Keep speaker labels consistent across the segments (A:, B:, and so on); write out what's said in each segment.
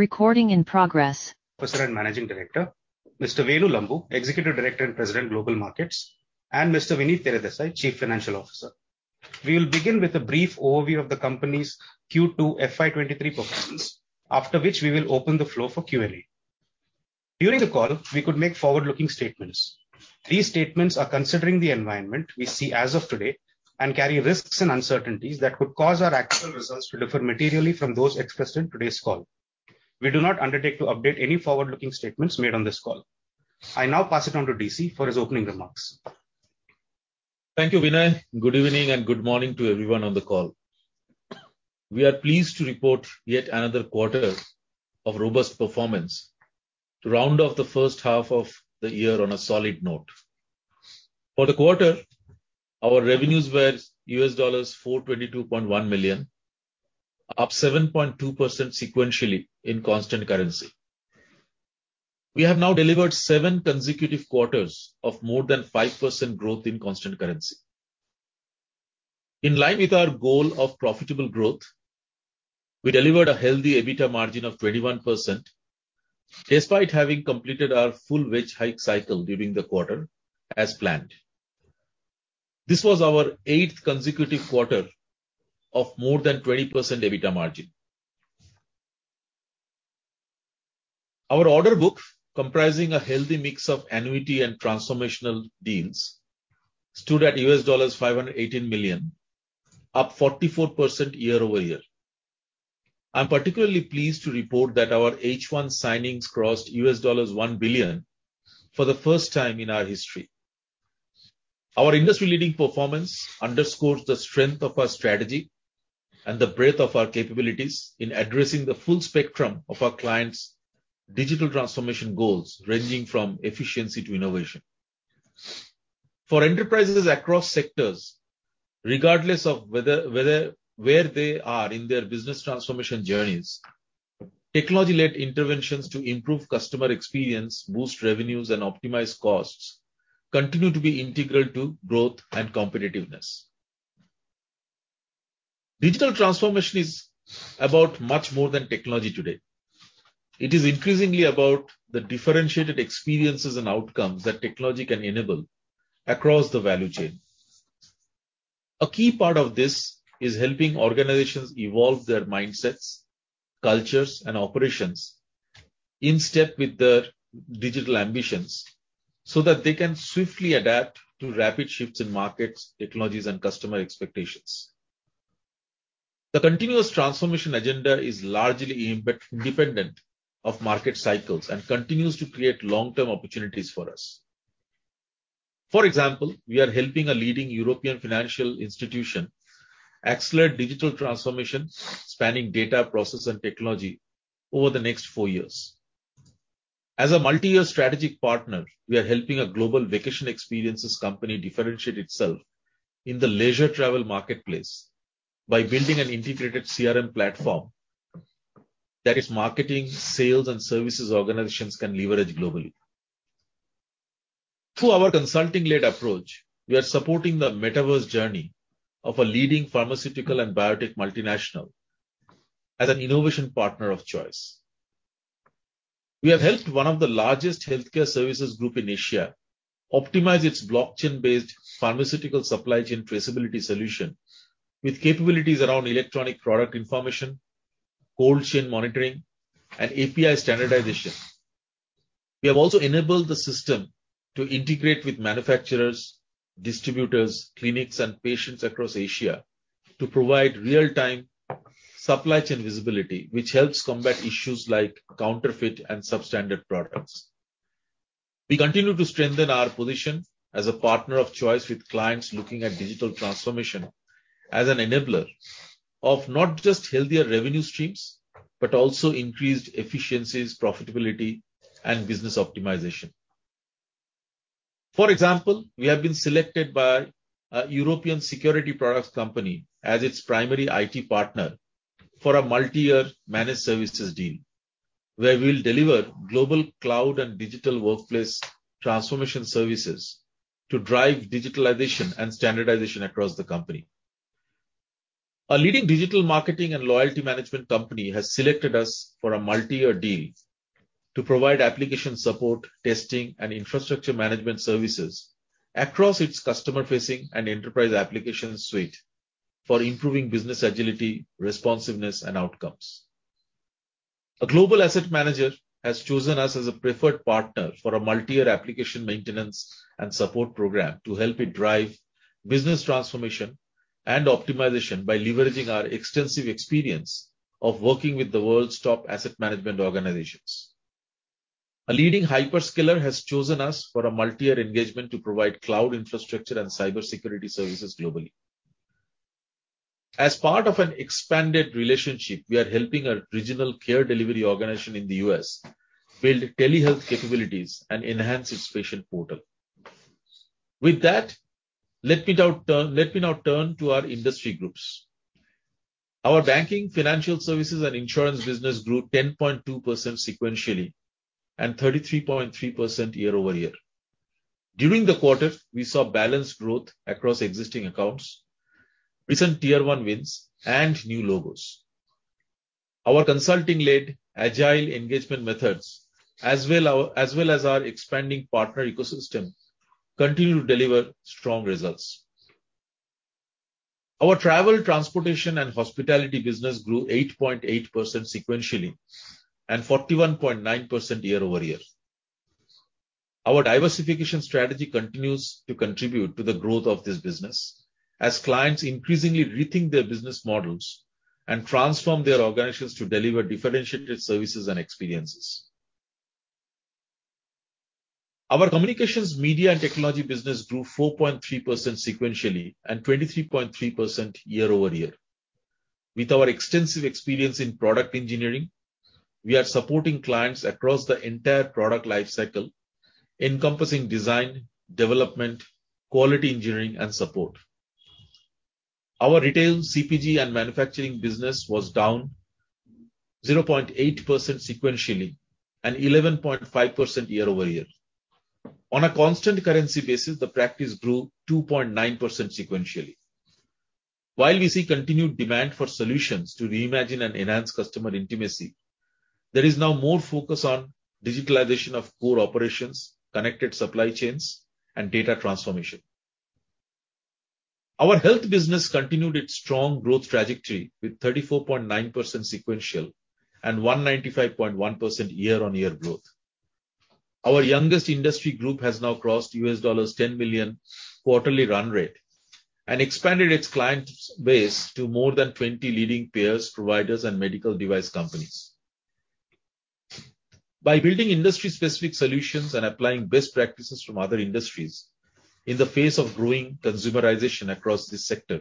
A: Chief Executive Officer and Managing Director, Mr. Venu Lambu, Executive Director and President, Global Markets, and Mr. Vinit Teredesai, Chief Financial Officer. We will begin with a brief overview of the company's Q2 FY23 performance, after which we will open the floor for Q&A. During the call, we could make forward-looking statements. These statements are considering the environment we see as of today and carry risks and uncertainties that could cause our actual results to differ materially from those expressed in today's call. We do not undertake to update any forward-looking statements made on this call. I now pass it on to DC for his opening remarks.
B: Thank you, Vinay. Good evening and good morning to everyone on the call. We are pleased to report yet another quarter of robust performance to round off the first half of the year on a solid note. For the quarter, our revenues were $422.1 million, up 7.2% sequentially in constant currency. We have now delivered 7 consecutive quarters of more than 5% growth in constant currency. In line with our goal of profitable growth, we delivered a healthy EBITDA margin of 21% despite having completed our full wage hike cycle during the quarter as planned. This was our eighth consecutive quarter of more than 20% EBITDA margin. Our order book, comprising a healthy mix of annuity and transformational deals, stood at $518 million, up 44% year over year. I'm particularly pleased to report that our H1 signings crossed $1 billion for the first time in our history. Our industry leading performance underscores the strength of our strategy and the breadth of our capabilities in addressing the full spectrum of our clients' digital transformation goals, ranging from efficiency to innovation. For enterprises across sectors, regardless of where they are in their business transformation journeys, technology-led interventions to improve customer experience, boost revenues, and optimize costs continue to be integral to growth and competitiveness. Digital transformation is about much more than technology today. It is increasingly about the differentiated experiences and outcomes that technology can enable across the value chain. A key part of this is helping organizations evolve their mindsets, cultures, and operations in step with their digital ambitions, so that they can swiftly adapt to rapid shifts in markets, technologies, and customer expectations. The continuous transformation agenda is largely independent of market cycles and continues to create long-term opportunities for us. For example, we are helping a leading European financial institution accelerate digital transformation spanning data process and technology over the next four years. As a multi-year strategic partner, we are helping a global vacation experiences company differentiate itself in the leisure travel marketplace by building an integrated CRM platform that its marketing, sales, and services organizations can leverage globally. Through our consulting-led approach, we are supporting the metaverse journey of a leading pharmaceutical and biotech multinational as an innovation partner of choice. We have helped one of the largest healthcare services group in Asia optimize its blockchain-based pharmaceutical supply chain traceability solution with capabilities around electronic product information, cold chain monitoring, and API standardization. We have also enabled the system to integrate with manufacturers, distributors, clinics, and patients across Asia to provide real-time supply chain visibility, which helps combat issues like counterfeit and substandard products. We continue to strengthen our position as a partner of choice with clients looking at digital transformation as an enabler of not just healthier revenue streams, but also increased efficiencies, profitability, and business optimization. For example, we have been selected by a European security products company as its primary IT partner for a multi-year managed services deal where we'll deliver global cloud and digital workplace transformation services to drive digitalization and standardization across the company. A leading digital marketing and loyalty management company has selected us for a multi-year deal to provide application support, testing, and infrastructure management services across its customer-facing and enterprise application suite for improving business agility, responsiveness, and outcomes. A global asset manager has chosen us as a preferred partner for a multi-year application maintenance and support program to help it drive business transformation and optimization by leveraging our extensive experience of working with the world's top asset management organizations. A leading hyperscaler has chosen us for a multi-year engagement to provide cloud infrastructure and cybersecurity services globally. As part of an expanded relationship, we are helping a regional care delivery organization in the U.S. build telehealth capabilities and enhance its patient portal. With that, let me now turn to our industry groups. Our banking, financial services, and insurance business grew 10.2% sequentially and 33.3% year-over-year. During the quarter, we saw balanced growth across existing accounts, recent tier one wins, and new logos. Our consulting-led agile engagement methods, as well as our expanding partner ecosystem continue to deliver strong results. Our travel, transportation, and hospitality business grew 8.8% sequentially, and 41.9% year-over-year. Our diversification strategy continues to contribute to the growth of this business as clients increasingly rethink their business models and transform their organizations to deliver differentiated services and experiences. Our communications, media, and technology business grew 4.3% sequentially and 23.3% year-over-year. With our extensive experience in product engineering, we are supporting clients across the entire product life cycle, encompassing design, development, quality engineering, and support. Our retail, CPG, and manufacturing business was down 0.8% sequentially and 11.5% year-over-year. On a constant currency basis, the practice grew 2.9% sequentially. While we see continued demand for solutions to reimagine and enhance customer intimacy, there is now more focus on digitalization of core operations, connected supply chains, and data transformation. Our health business continued its strong growth trajectory with 34.9% sequential and 195.1% year-on-year growth. Our youngest industry group has now crossed $10 million quarterly run rate and expanded its client base to more than 20 leading payers, providers, and medical device companies. By building industry-specific solutions and applying best practices from other industries in the face of growing consumerization across this sector,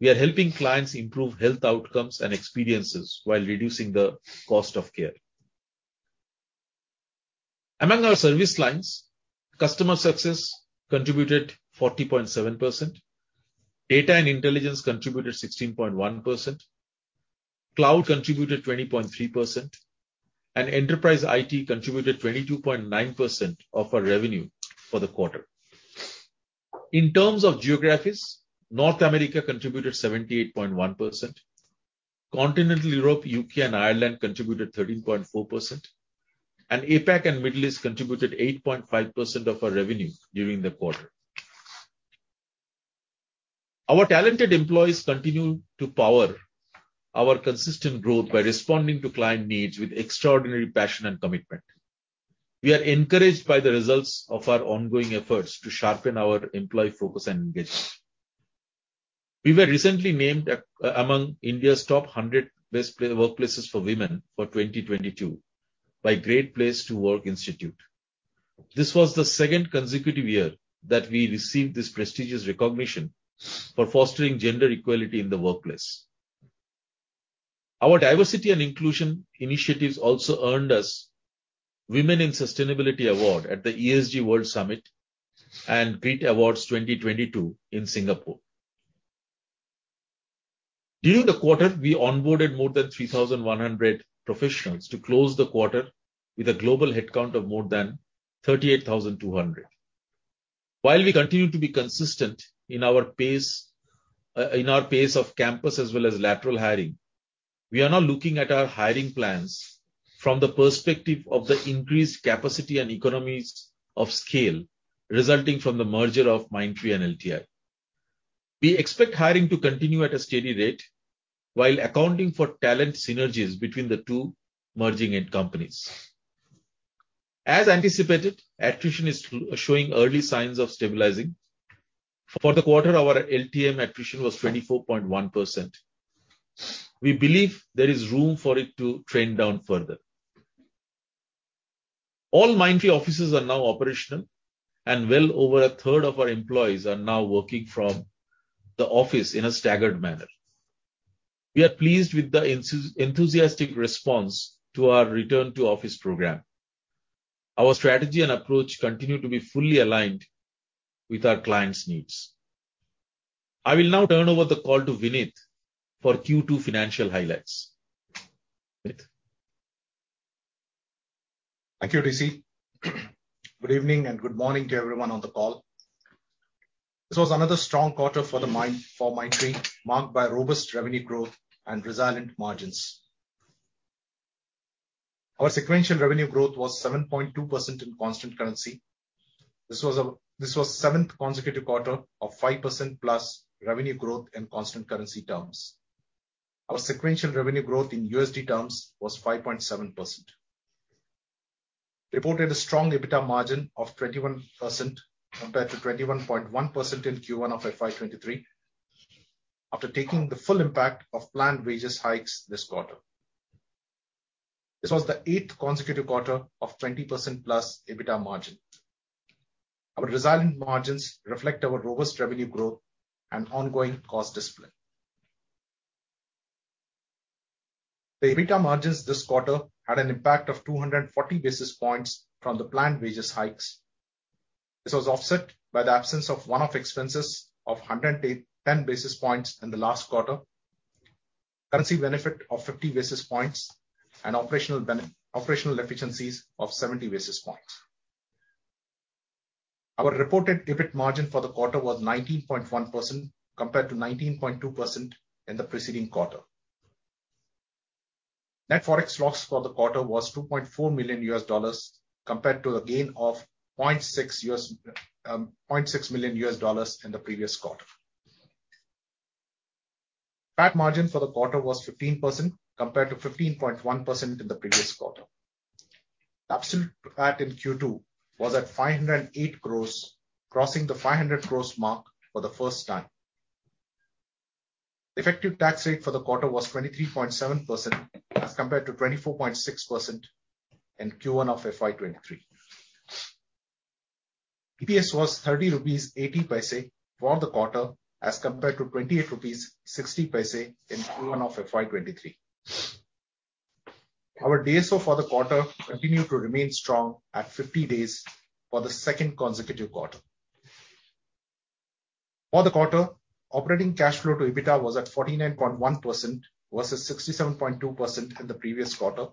B: we are helping clients improve health outcomes and experiences while reducing the cost of care. Among our service lines, customer success contributed 40.7%, data and intelligence contributed 16.1%, cloud contributed 20.3%, and enterprise IT contributed 22.9% of our revenue for the quarter. In terms of geographies, North America contributed 78.1%, Continental Europe, UK, and Ireland contributed 13.4%, and APAC and Middle East contributed 8.5% of our revenue during the quarter. Our talented employees continue to power our consistent growth by responding to client needs with extraordinary passion and commitment. We are encouraged by the results of our ongoing efforts to sharpen our employee focus and engagement. We were recently named among India's top 100 best workplaces for women for 2022 by Great Place To Work Institute. This was the second consecutive year that we received this prestigious recognition for fostering gender equality in the workplace. Our diversity and inclusion initiatives also earned us Women in Sustainability Award at the ESG World Summit and GRIT Awards 2022 in Singapore. During the quarter, we onboarded more than 3,100 professionals to close the quarter with a global headcount of more than 38,200. While we continue to be consistent in our pace of campus as well as lateral hiring, we are now looking at our hiring plans from the perspective of the increased capacity and economies of scale resulting from the merger of Mindtree and LTI. We expect hiring to continue at a steady rate while accounting for talent synergies between the two merging end companies. As anticipated, attrition is showing early signs of stabilizing. For the quarter, our LTM attrition was 24.1%. We believe there is room for it to trend down further. All Mindtree offices are now operational, and well over a third of our employees are now working from the office in a staggered manner. We are pleased with the enthusiastic response to our return to office program. Our strategy and approach continue to be fully aligned with our clients' needs. I will now turn over the call to Vinit for Q2 financial highlights. Vinit.
C: Thank you, TC. Good evening and good morning to everyone on the call. This was another strong quarter for Mindtree, marked by robust revenue growth and resilient margins. Our sequential revenue growth was 7.2% in constant currency. This was the seventh consecutive quarter of 5%+ revenue growth in constant currency terms. Our sequential revenue growth in USD terms was 5.7%. Reported a strong EBITDA margin of 21% compared to 21.1% in Q1 of FY 2023 after taking the full impact of planned wage hikes this quarter. This was the eighth consecutive quarter of 20%+ EBITDA margin. Our resilient margins reflect our robust revenue growth and ongoing cost discipline. The EBITDA margins this quarter had an impact of 240 basis points from the planned wage hikes. This was offset by the absence of one-off expenses of 110 basis points in the last quarter. Currency benefit of 50 basis points and operational efficiencies of 70 basis points. Our reported EBIT margin for the quarter was 19.1% compared to 19.2% in the previous quarter. Net Forex loss for the quarter was $2.4 million compared to a gain of $0.6 million in the previous quarter. PAT margin for the quarter was 15% compared to 15.1% in the previous quarter. Absolute PAT in Q2 was at 508 crore, crossing the 500 crore mark for the first time. Effective tax rate for the quarter was 23.7% as compared to 24.6% in Q1 of FY 2023. EPS was 30.80 rupees for the quarter as compared to 28.60 rupees in Q1 of FY 2023. Our DSO for the quarter continued to remain strong at 50 days for the second consecutive quarter. For the quarter, operating cash flow to EBITDA was at 49.1% versus 67.2% in the previous quarter.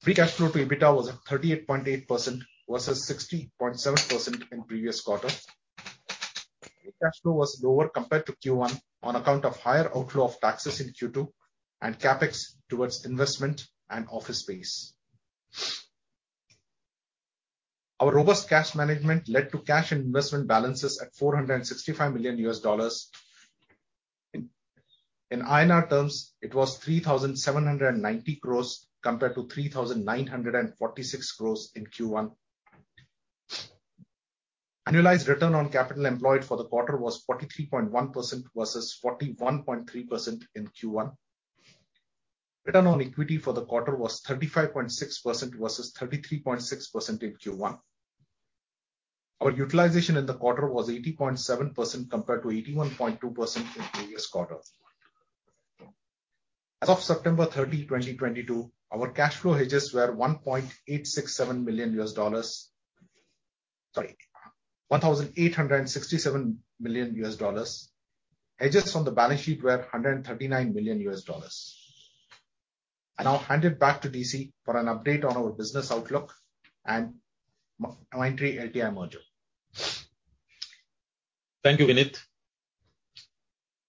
C: Free cash flow to EBITDA was at 38.8% versus 60.7% in previous quarter. Free cash flow was lower compared to Q1 on account of higher outflow of taxes in Q2 and CapEx towards investment and office space. Our robust cash management led to cash and investment balances at $465 million. In INR terms, it was 3,790 crores compared to 3,946 crores in Q1. Annualized return on capital employed for the quarter was 43.1% versus 41.3% in Q1. Return on equity for the quarter was 35.6% versus 33.6% in Q1. Our utilization in the quarter was 80.7% compared to 81.2% in previous quarter. As of September 30, 2022, our cash flow hedges were $1,867 million. Sorry, $1,867 million. Hedges on the balance sheet were $139 million. I now hand it back to DC for an update on our business outlook and Mindtree LTI merger.
B: Thank you, Vinit.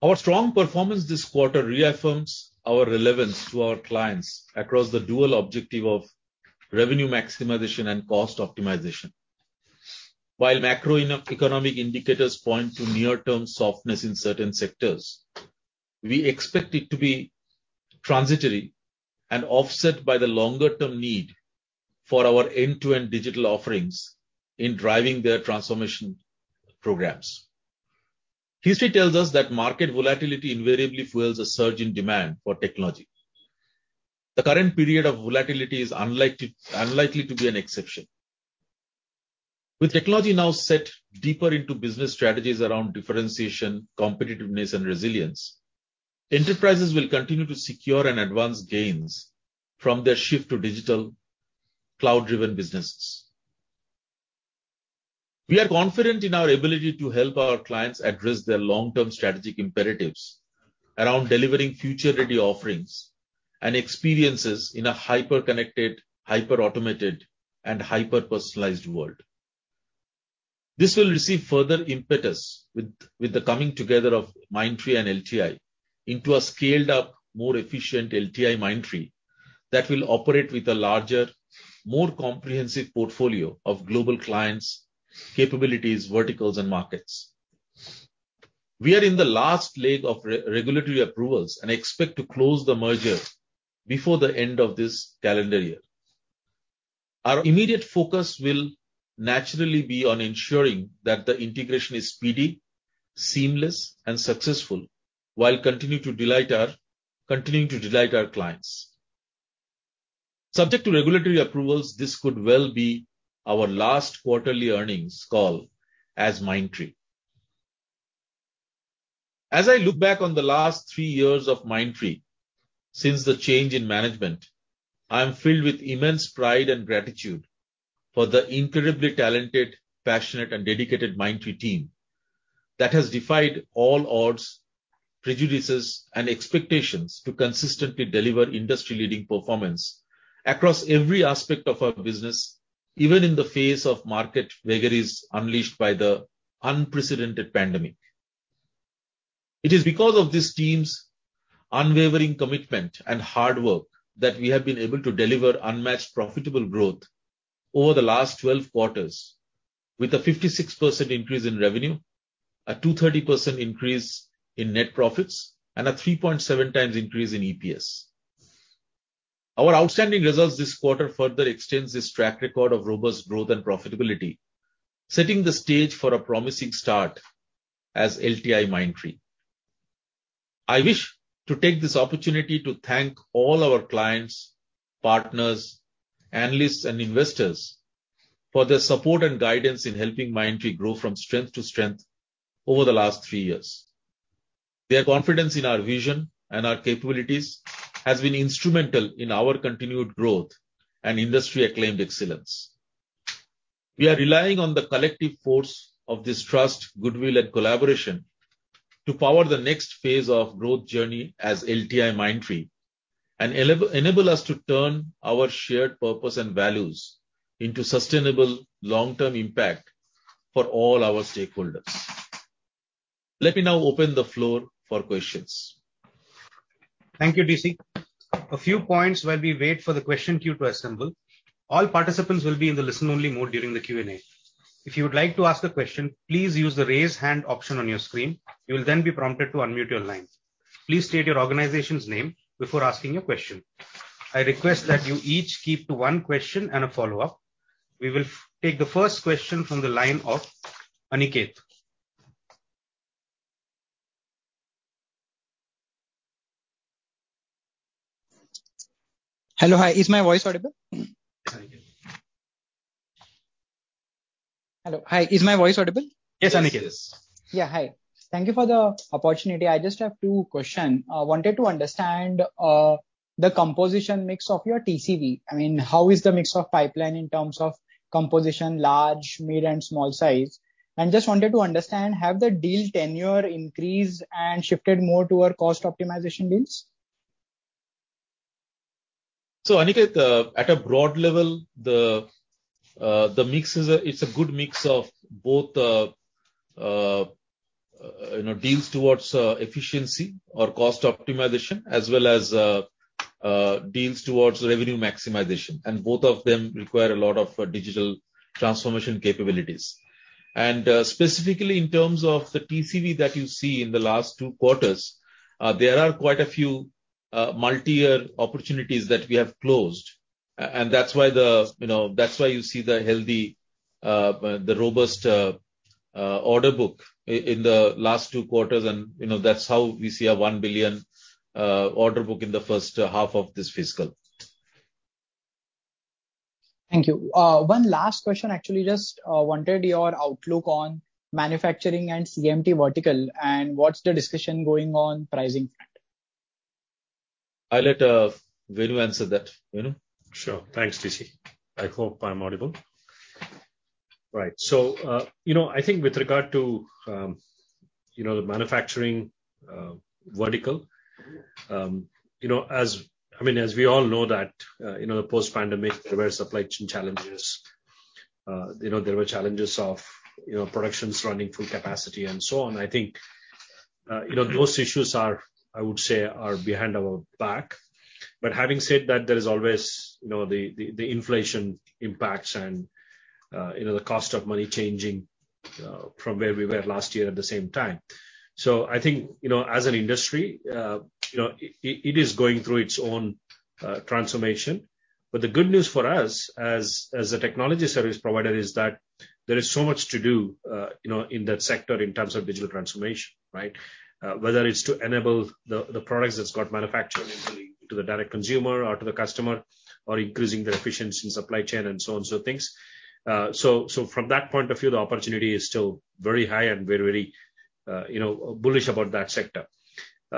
B: Our strong performance this quarter reaffirms our relevance to our clients across the dual objective of revenue maximization and cost optimization. While macroeconomic indicators point to near-term softness in certain sectors, we expect it to be transitory and offset by the longer-term need for our end-to-end digital offerings in driving their transformation programs. History tells us that market volatility invariably fuels a surge in demand for technology. The current period of volatility is unlikely to be an exception. With technology now set deeper into business strategies around differentiation, competitiveness, and resilience, enterprises will continue to secure and advance gains from their shift to digital cloud-driven businesses. We are confident in our ability to help our clients address their long-term strategic imperatives around delivering future-ready offerings and experiences in a hyper-connected, hyper-automated, and hyper-personalized world. This will receive further impetus with the coming together of Mindtree and LTI into a scaled-up, more efficient LTIMindtree that will operate with a larger, more comprehensive portfolio of global clients, capabilities, verticals, and markets. We are in the last leg of regulatory approvals and expect to close the merger before the end of this calendar year. Our immediate focus will naturally be on ensuring that the integration is speedy, seamless, and successful, while continuing to delight our clients. Subject to regulatory approvals, this could well be our last quarterly earnings call as Mindtree. As I look back on the last 3 years of Mindtree since the change in management, I am filled with immense pride and gratitude for the incredibly talented, passionate, and dedicated Mindtree team that has defied all odds, prejudices, and expectations to consistently deliver industry-leading performance across every aspect of our business, even in the face of market vagaries unleashed by the unprecedented pandemic. It is because of this team's unwavering commitment and hard work that we have been able to deliver unmatched profitable growth over the last 12 quarters with a 56% increase in revenue, a 230% increase in net profits, and a 3.7 times increase in EPS. Our outstanding results this quarter further extends this track record of robust growth and profitability, setting the stage for a promising start as LTIMindtree. I wish to take this opportunity to thank all our clients, partners, analysts, and investors for their support and guidance in helping Mindtree grow from strength to strength over the last three years. Their confidence in our vision and our capabilities has been instrumental in our continued growth and industry-acclaimed excellence. We are relying on the collective force of this trust, goodwill and collaboration to power the next phase of growth journey as LTIMindtree and enable us to turn our shared purpose and values into sustainable long-term impact for all our stakeholders. Let me now open the floor for questions.
A: Thank you, DC. A few points while we wait for the question queue to assemble. All participants will be in the listen-only mode during the Q&A. If you would like to ask a question, please use the Raise Hand option on your screen. You will then be prompted to unmute your line. Please state your organization's name before asking a question. I request that you each keep to one question and a follow-up. We will take the first question from the line of Aniket.
D: Hello. Hi. Is my voice audible?
B: Yes, Aniket.
D: Hello. Hi. Is my voice audible?
B: Yes, Aniket.
D: Yeah. Hi. Thank you for the opportunity. I just have 2 question. Wanted to understand, the composition mix of your TCV. I mean, how is the mix of pipeline in terms of composition large, mid, and small size? Just wanted to understand, have the deal tenure increased and shifted more toward cost optimization deals?
B: Aniket, at a broad level, the mix is, it's a good mix of both, deals towards efficiency or cost optimization, as well as deals towards revenue maximization. Both of them require a lot of digital transformation capabilities. Specifically in terms of the TCV that you see in the last two quarters, there are quite a few multi-year opportunities that we have closed. That's why you see the healthy, robust order book in the last two quarters. You know, that's how we see a $1 billion order book in the first half of this fiscal.
D: Thank you. One last question. Actually, just wanted your outlook on manufacturing and CMT vertical and what's the discussion going on pricing front?
B: I'll let Venu answer that. Venu?
E: Sure. Thanks, DC. I hope I'm audible. Right. You know, I think with regard to the manufacturing vertical, as I mean, as we all know that post-pandemic there were supply chain challenges. You know, there were challenges of productions running full capacity and so on. I think, those issues are, I would say, behind our back. Having said that, there is always, the inflation impacts and, the cost of money changing from where we were last year at the same time. I think, as an industry, it is going through its own transformation. The good news for us as a technology service provider is that there is so much to do, in that sector in terms of digital transformation, right? Whether it's to enable the products that's got manufactured into the to the direct consumer or to the customer or increasing the efficiency in supply chain and so on, so things. From that point of view, the opportunity is still very high and we're very, bullish about that sector.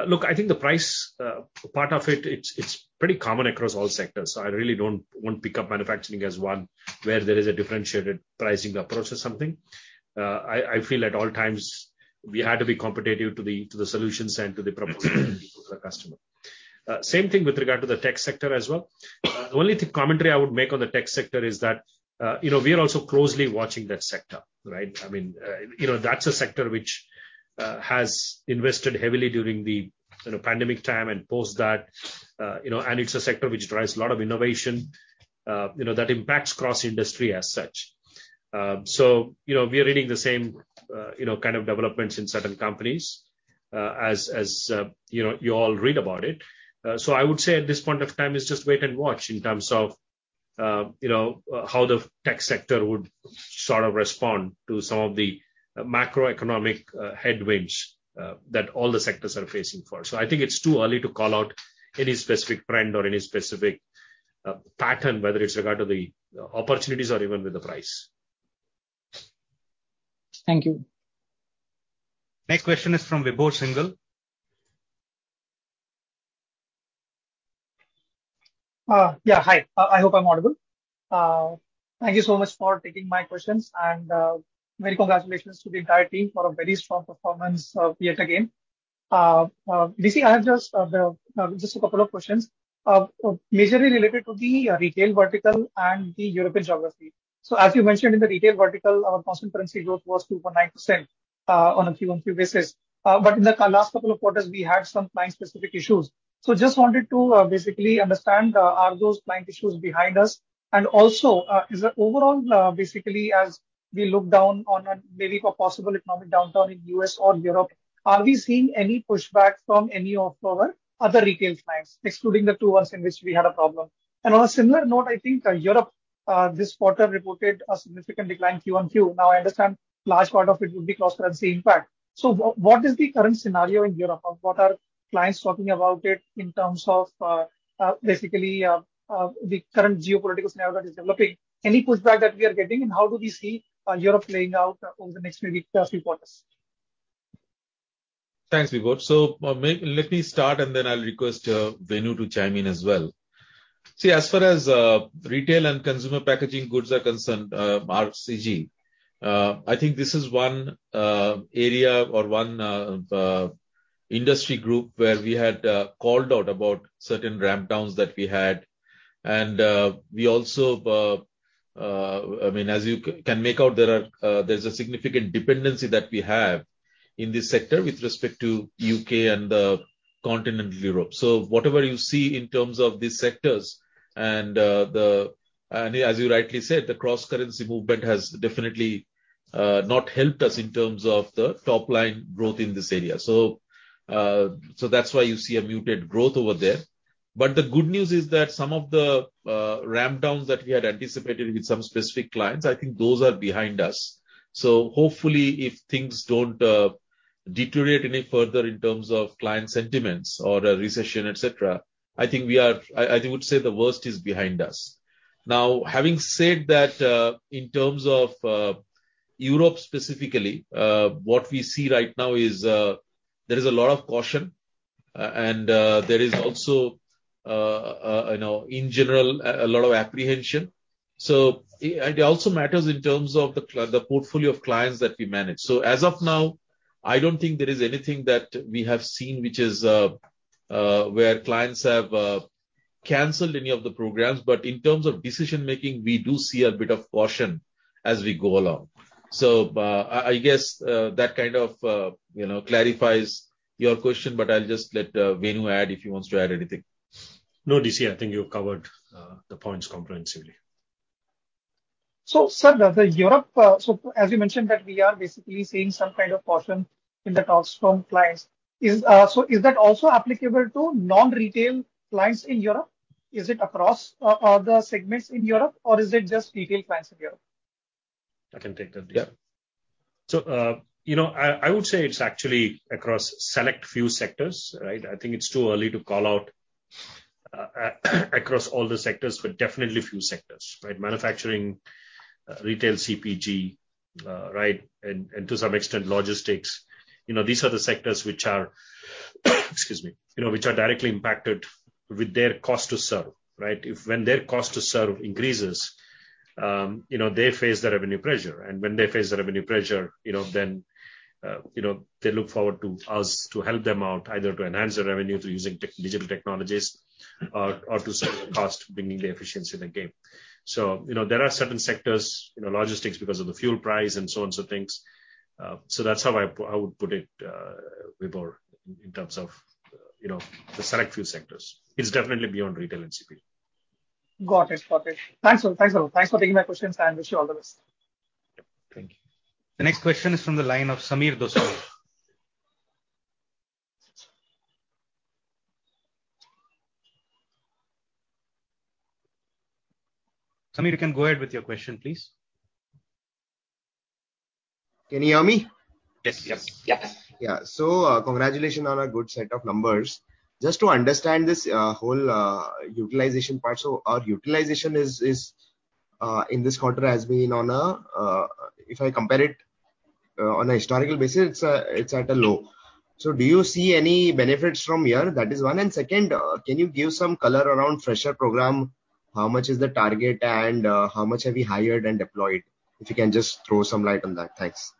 E: Look, I think the price part of it's pretty common across all sectors. I really don't want to pick up manufacturing as one where there is a differentiated pricing approach or something. I feel at all times we had to be competitive to the solutions and to the proposal to the customer. Same thing with regard to the tech sector as well. The only commentary I would make on the tech sector is that, we are also closely watching that sector, right? I mean, that's a sector which has invested heavily during the, pandemic time and post that and it's a sector which drives a lot of innovation that impacts cross-industry as such. So, we are reading the same, kind of developments in certain companies, as, you know, you all read about it. So I would say at this point of time, it's just wait and watch in terms of, how the tech sector would sort of respond to some of the macroeconomic, headwinds, that all the sectors are facing for. I think it's too early to call out any specific trend or any specific pattern, whether with regard to the opportunities or even with the price.
D: Thank you.
A: Next question is from Vibhor Singhal.
F: Yeah. Hi. I hope I'm audible. Thank you so much for taking my questions. Many congratulations to the entire team for a very strong performance, yet again. DC, I have just a couple of questions, majorly related to the retail vertical and the European geography. As you mentioned in the retail vertical, our constant currency growth was 2.9%, on a Q-on-Q basis. In the last couple of quarters, we had some client-specific issues. Just wanted to basically understand, are those client issues behind us? Also, is the overall, basically as we look down on a maybe possible economic downturn in U.S. or Europe, are we seeing any pushback from any of our other retail clients, excluding the two ones in which we had a problem? On a similar note, I think Europe this quarter reported a significant decline quarter-over-quarter. Now, I understand large part of it would be cross-currency impact. What is the current scenario in Europe? Or what are clients talking about it in terms of, basically, the current geopolitical scenario that is developing? Any pushback that we are getting, and how do we see Europe playing out over the next maybe three quarters?
B: Thanks, Vibhor. Let me start and then I'll request Venu to chime in as well. See, as far as retail and consumer packaged goods are concerned, RCG, I think this is one area or one industry group where we had called out about certain ramp downs that we had. We also, I mean as you can make out there is a significant dependency that we have in this sector with respect to UK and continental Europe. Whatever you see in terms of these sectors and the cross-currency movement has definitely not helped us in terms of the top line growth in this area. That's why you see a muted growth over there. The good news is that some of the ramp downs that we had anticipated with some specific clients, I think those are behind us. Hopefully if things don't deteriorate any further in terms of client sentiments or a recession, et cetera, I think we are. I would say the worst is behind us. Now, having said that, in terms of Europe specifically, what we see right now is there is a lot of caution and there is also you know, in general a lot of apprehension. It also matters in terms of the portfolio of clients that we manage. As of now, I don't think there is anything that we have seen which is where clients have canceled any of the programs. In terms of decision-making, we do see a bit of caution as we go along. I guess that kind of, you know, clarifies your question, but I'll just let Venu add if he wants to add anything.
E: No, DC, I think you've covered the points comprehensively.
F: sir, in Europe, so as you mentioned that we are basically seeing some kind of caution in the talks from clients. Is that also applicable to non-retail clients in Europe? Is it across other segments in Europe or is it just retail clients in Europe?
C: I can take that, D.C.
B: Yeah.
C: You know, I would say it's actually across select few sectors, right? I think it's too early to call out across all the sectors, but definitely a few sectors, right? Manufacturing, retail CPG, right, and to some extent logistics. You know, these are the sectors which are directly impacted with their cost to serve, right? When their cost to serve increases, they face the revenue pressure. When they face the revenue pressure, then, they look forward to us to help them out, either to enhance their revenue through using digital technologies or to save cost, bringing the efficiency in the game. You know, there are certain sectors, logistics because of the fuel price and so on, things. That's how I would put it, Vibhor, in terms of, the select few sectors. It's definitely beyond retail and CPG.
F: Got it. Perfect. Thanks. Thanks a lot. Thanks for taking my questions, and wish you all the best.
C: Thank you.
A: The next question is from the line of Sameer Dosani. Sameer, you can go ahead with your question, please.
G: Can you hear me?
A: Yes. Yes.
B: Yes.
G: Yeah. Congratulations on a good set of numbers. Just to understand this, whole, utilization part. Our utilization is in this quarter has been on a, if I compare it, on a historical basis, it's at a low. Do you see any benefits from here? That is one. Second, can you give some color around fresher program? How much is the target and, how much have you hired and deployed? If you can just throw some light on that. Thanks.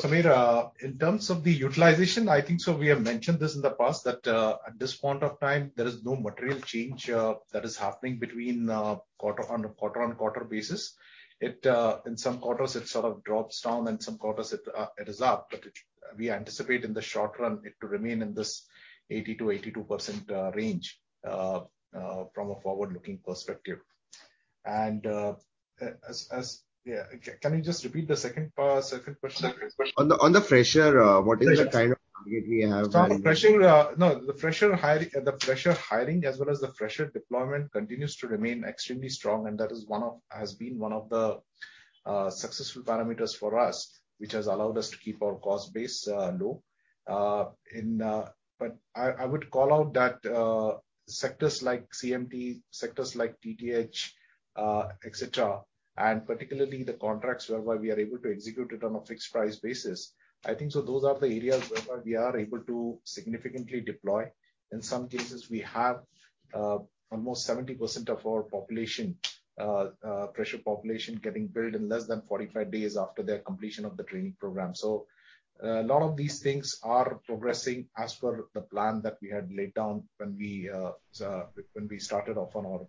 B: Vineet?
C: Yeah. Sameer, in terms of the utilization, I think so we have mentioned this in the past that at this point of time there is no material change that is happening on a quarter-on-quarter basis. In some quarters it sort of drops down and some quarters it is up. But we anticipate in the short run it to remain in this 80%-82% range from a forward-looking perspective. Can you just repeat the second question?
G: On the fresher, what is the kind of target you have?
C: The fresher hiring as well as the fresher deployment continues to remain extremely strong, and that has been one of the successful parameters for us, which has allowed us to keep our cost base low. I would call out that sectors like CMT, TTH, et cetera, and particularly the contracts whereby we are able to execute it on a fixed price basis, I think so those are the areas whereby we are able to significantly deploy. In some cases, we have almost 70% of our fresher population getting billed in less than 45 days after their completion of the training program. A lot of these things are progressing as per the plan that we had laid down when we started off on our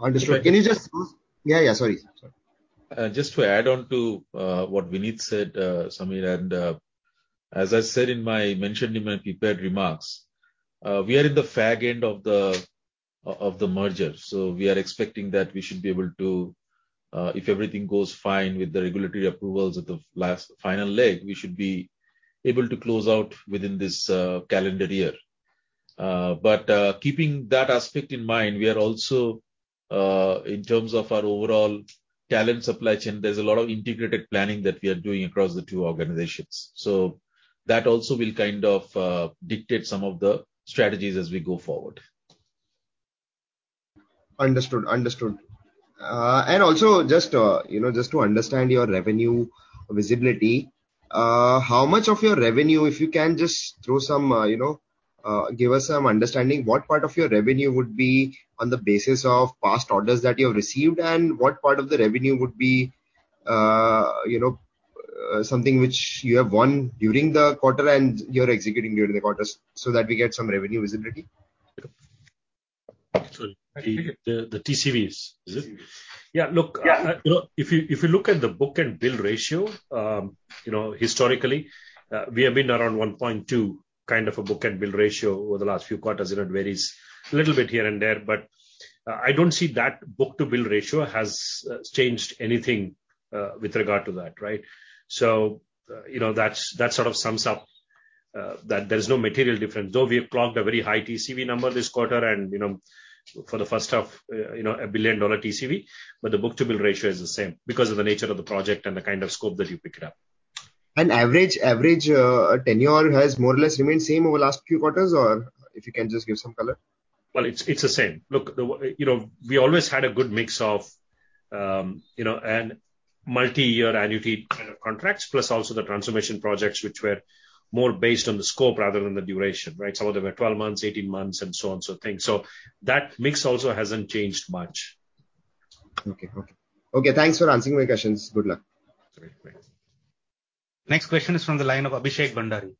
C: transformation.
G: Understood.
B: Sorry.
G: Yeah, yeah. Sorry.
B: Sorry. Just to add on to what Vinit said, Sameer, and as I mentioned in my prepared remarks, we are in the fag end of the merger. We are expecting that we should be able to if everything goes fine with the regulatory approvals at the last final leg, we should be able to close out within this calendar year. Keeping that aspect in mind, we are also in terms of our overall talent supply chain, there's a lot of integrated planning that we are doing across the two organizations. That also will kind of dictate some of the strategies as we go forward.
G: Understood. Also just to understand your revenue visibility, how much of your revenue, if you can just throw some, give us some understanding what part of your revenue would be on the basis of past orders that you have received and what part of the revenue would be, something which you have won during the quarter and you're executing during the quarters so that we get some revenue visibility.
B: The TCVs, is it?
G: Yeah.
B: Yeah. Look, if you look at the book-to-bill ratio, historically, we have been around 1.2 kind of a book-to-bill ratio over the last few quarters, and it varies a little bit here and there. I don't see that book-to-bill ratio has changed anything with regard to that, right? You know, that's that sort of sums up that there is no material difference, though we have clocked a very high TCV number this quarter and, for the first half, a $1 billion TCV. The book-to-bill ratio is the same because of the nature of the project and the kind of scope that you picked up.
G: Average tenure has more or less remained same over the last few quarters, or if you can just give some color.
B: Well, it's the same. Look, we always had a good mix of, and multi-year annuity kind of contracts, plus also the transformation projects which were more based on the scope rather than the duration, right? Some of them are 12 months, 18 months and so on, so things. That mix also hasn't changed much.
G: Okay, thanks for answering my questions. Good luck.
B: Great. Thanks.
A: Next question is from the line of Abhishek Bhandari.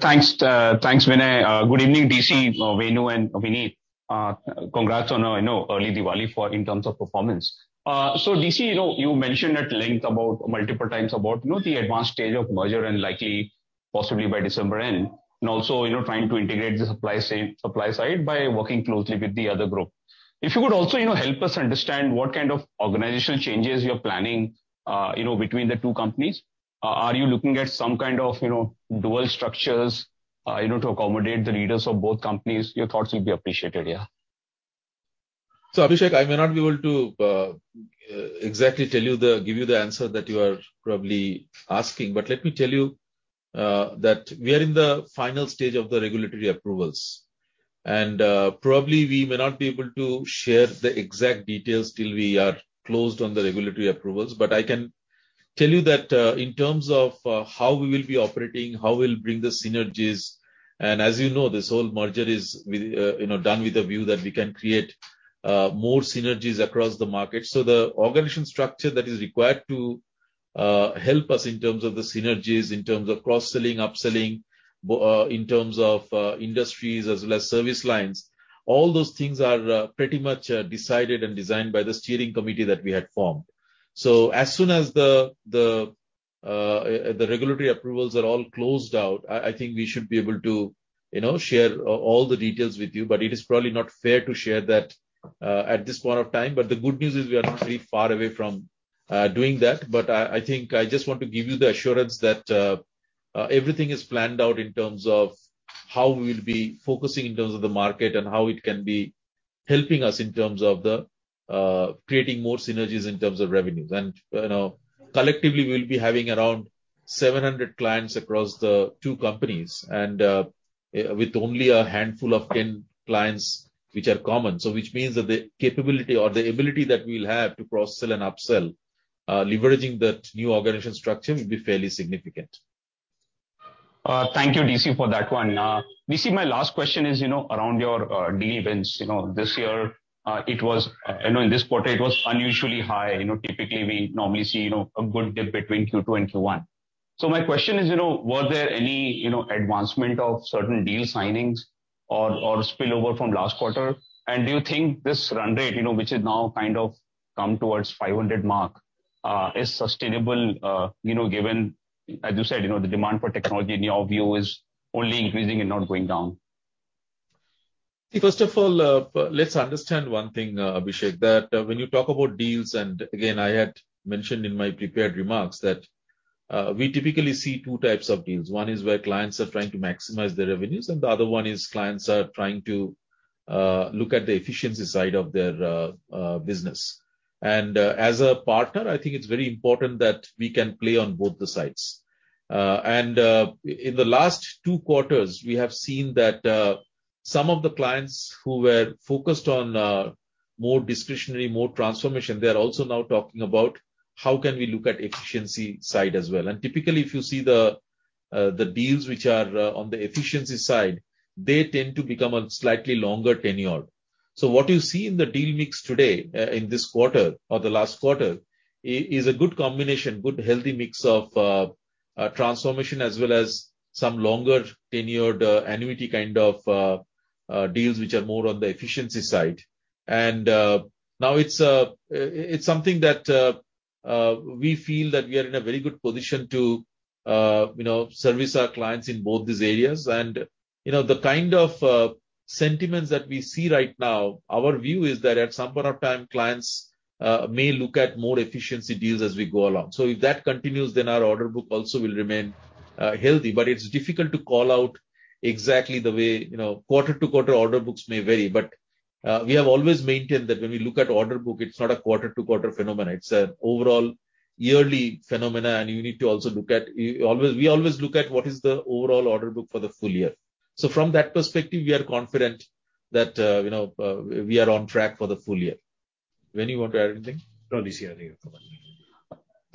H: Thanks, Vinay. Good evening, DC, Venu, and Vinit. Congrats on, early Diwali for in terms of performance. So DC, you mentioned at length multiple times about, the advanced stage of merger and likely possibly by December end, and also, trying to integrate the supply side by working closely with the other group. If you could also, help us understand what kind of organizational changes you're planning, between the two companies. Are you looking at some kind of, dual structures, to accommodate the leaders of both companies? Your thoughts will be appreciated. Yeah.
B: Abhishek, I may not be able to exactly give you the answer that you are probably asking. Let me tell you that we are in the final stage of the regulatory approvals. Probably we may not be able to share the exact details till we are closed on the regulatory approvals. I can tell you that in terms of how we will be operating, how we'll bring the synergies, and as you know, this whole merger is with, done with a view that we can create more synergies across the market. The organization structure that is required to help us in terms of the synergies, in terms of cross-selling, upselling, in terms of industries as well as service lines, all those things are pretty much decided and designed by the steering committee that we had formed. As soon as the regulatory approvals are all closed out, I think we should be able to, share all the details with you. It is probably not fair to share that at this point of time. The good news is we are not very far away from doing that. I think I just want to give you the assurance that everything is planned out in terms of how we'll be focusing in terms of the market and how it can be helping us in terms of creating more synergies in terms of revenues. You know, collectively, we'll be having around 700 clients across the two companies and with only a handful of 10 clients which are common. Which means that the capability or the ability that we'll have to cross-sell and upsell leveraging that new organization structure will be fairly significant.
H: Thank you, DC, for that one. DC, my last question is, around your deal wins. You know, this year, it was, in this quarter it was unusually high. You know, typically we normally see, a good dip between Q2 and Q1. So my question is, was there any, advancement of certain deal signings or spillover from last quarter? Do you think this run rate, which is now kind of come towards 500 mark, is sustainable, given, as you said, the demand for technology in your view is only increasing and not going down?
B: First of all, let's understand one thing, Abhishek, that when you talk about deals, and again, I had mentioned in my prepared remarks that we typically see two types of deals. One is where clients are trying to maximize their revenues, and the other one is clients are trying to look at the efficiency side of their business. As a partner, I think it's very important that we can play on both the sides. In the last two quarters, we have seen that some of the clients who were focused on more discretionary, more transformation, they are also now talking about how can we look at efficiency side as well. Typically, if you see the deals which are on the efficiency side, they tend to become a slightly longer tenure. What you see in the deal mix today, in this quarter or the last quarter, is a good combination, good healthy mix of transformation as well as some longer tenured annuity kind of deals which are more on the efficiency side. Now it's something that we feel that we are in a very good position to service our clients in both these areas. You know the kind of sentiments that we see right now, our view is that at some point of time clients may look at more efficiency deals as we go along. If that continues, then our order book also will remain healthy. But it's difficult to call out exactly the way quarter-to-quarter order books may vary, but
E: We have always maintained that when we look at order book, it's not a quarter-to-quarter phenomenon. It's an overall yearly phenomenon, and you need to also look at, we always look at what is the overall order book for the full year. From that perspective, we are confident that, we are on track for the full year. Vinit, you want to add anything?
B: No, DC. I think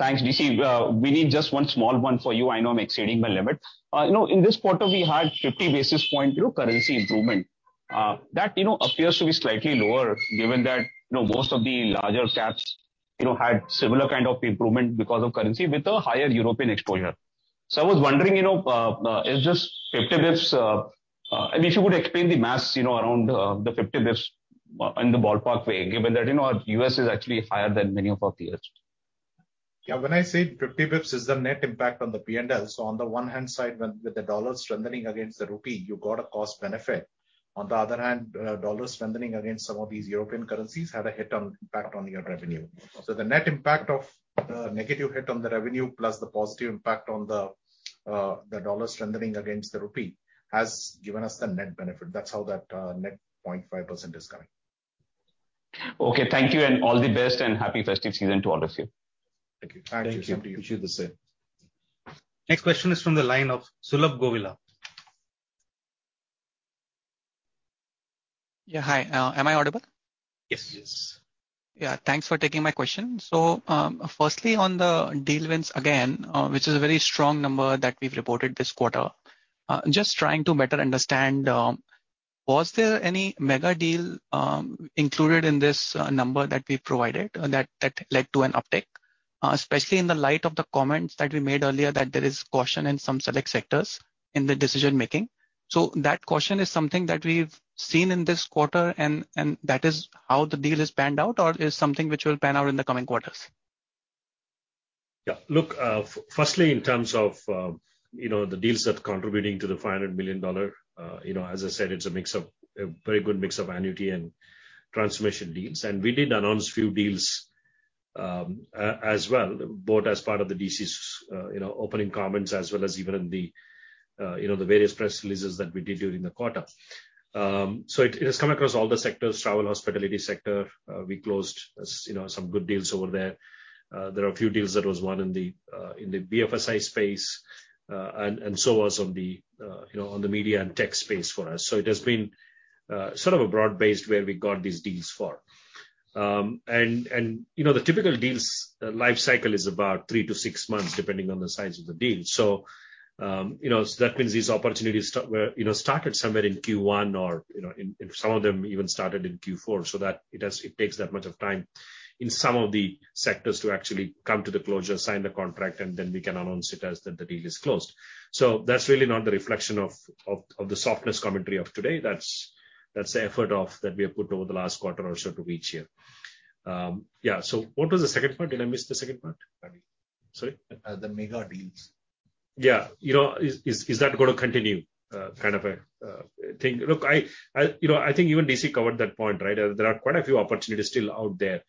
B: you covered it.
H: Thanks, DC. Vinit, just one small one for you. I know I'm exceeding my limit. You know, in this quarter we had 50 basis point, currency improvement, that, appears to be slightly lower given that, most of the larger caps, had similar kind of improvement because of currency with a higher European exposure. I was wondering, is this 50 basis points, I mean, if you could explain the math, around, the 50 basis points in a ballpark way, given that, our U.S. is actually higher than many of our peers.
C: Yeah. When I say 50 BPS is the net impact on the P&L. On the one hand, with the U.S. dollar strengthening against the rupee, you got a cost benefit. On the other hand, U.S. dollar strengthening against some of these European currencies had an impact on your revenue. The net impact of negative hit on the revenue plus the positive impact on the U.S. dollar strengthening against the rupee has given us the net benefit. That's how that net 0.5% is coming.
H: Okay, thank you and all the best and happy festive season to all of you.
B: Thank you.
E: Thank you. Wish you the same.
A: Next question is from the line of Sulabh Govila.
I: Yeah. Hi. Am I audible?
A: Yes.
E: Yes.
I: Yeah, thanks for taking my question. Firstly on the deal wins again, which is a very strong number that we've reported this quarter. Just trying to better understand, was there any mega deal included in this number that we provided that led to an uptick? Especially in the light of the comments that we made earlier, that there is caution in some select sectors in the decision-making. That caution is something that we've seen in this quarter and that is how the deal is panned out or is something which will pan out in the coming quarters?
E: Yeah. Look, firstly in terms of, the deals that are contributing to the $500 million, as I said, it's a mix of, a very good mix of annuity and transmission deals. We did announce few deals, as well, both as part of the DC's, you know, opening comments as well as even in the, you know, the various press releases that we did during the quarter. It has come across all the sectors. Travel hospitality sector, we closed you know, some good deals over there. There are a few deals that was won in the, in the BFSI space. And so was on the, you know, on the media and tech space for us. It has been sort of a broad base where we got these deals for. You know, the typical deals lifecycle is about 3-6 months, depending on the size of the deal. You know, that means these opportunities started somewhere in Q1 or, you know, in some of them even started in Q4. It takes that much of time in some of the sectors to actually come to the closure, sign the contract, and then we can announce that the deal is closed. That's really not the reflection of the softness commentary of today. That's the effort that we have put over the last quarter or so to reach here. Yeah. What was the second part? Did I miss the second part?
B: The mega deals.
E: Sorry?
B: The mega deals.
E: Yeah. You know, is that gonna continue kind of a thing? Look, you know, I think even DC covered that point, right? There are quite a few opportunities still out there.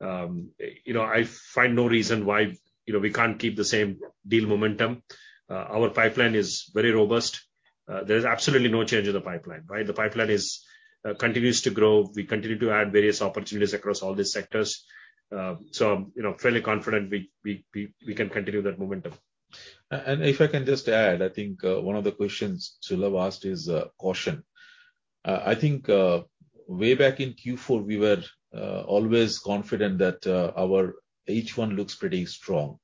E: You know, I find no reason why, you know, we can't keep the same deal momentum. Our pipeline is very robust. There is absolutely no change in the pipeline, right? The pipeline continues to grow. We continue to add various opportunities across all these sectors. You know, fairly confident we can continue that momentum.
B: If I can just add, I think one of the questions Sulabh asked is caution. I think way back in Q4 we were always confident that our H1 looks pretty strong.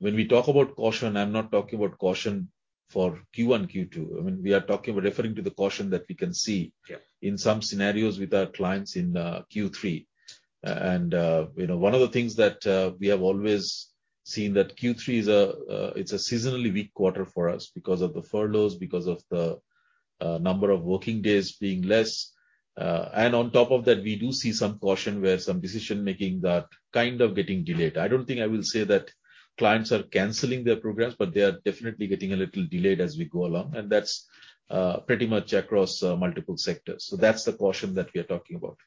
B: When we talk about caution, I'm not talking about caution for Q1, Q2. I mean, we are talking, we're referring to the caution that we can see.
E: Yeah
B: In some scenarios with our clients in Q3. You know, one of the things that we have always seen that Q3 is a seasonally weak quarter for us because of the furloughs, because of the number of working days being less. On top of that, we do see some caution where some decision-making that kind of getting delayed. I don't think I will say that clients are canceling their programs, but they are definitely getting a little delayed as we go along. That's pretty much across multiple sectors. That's the caution that we are talking about.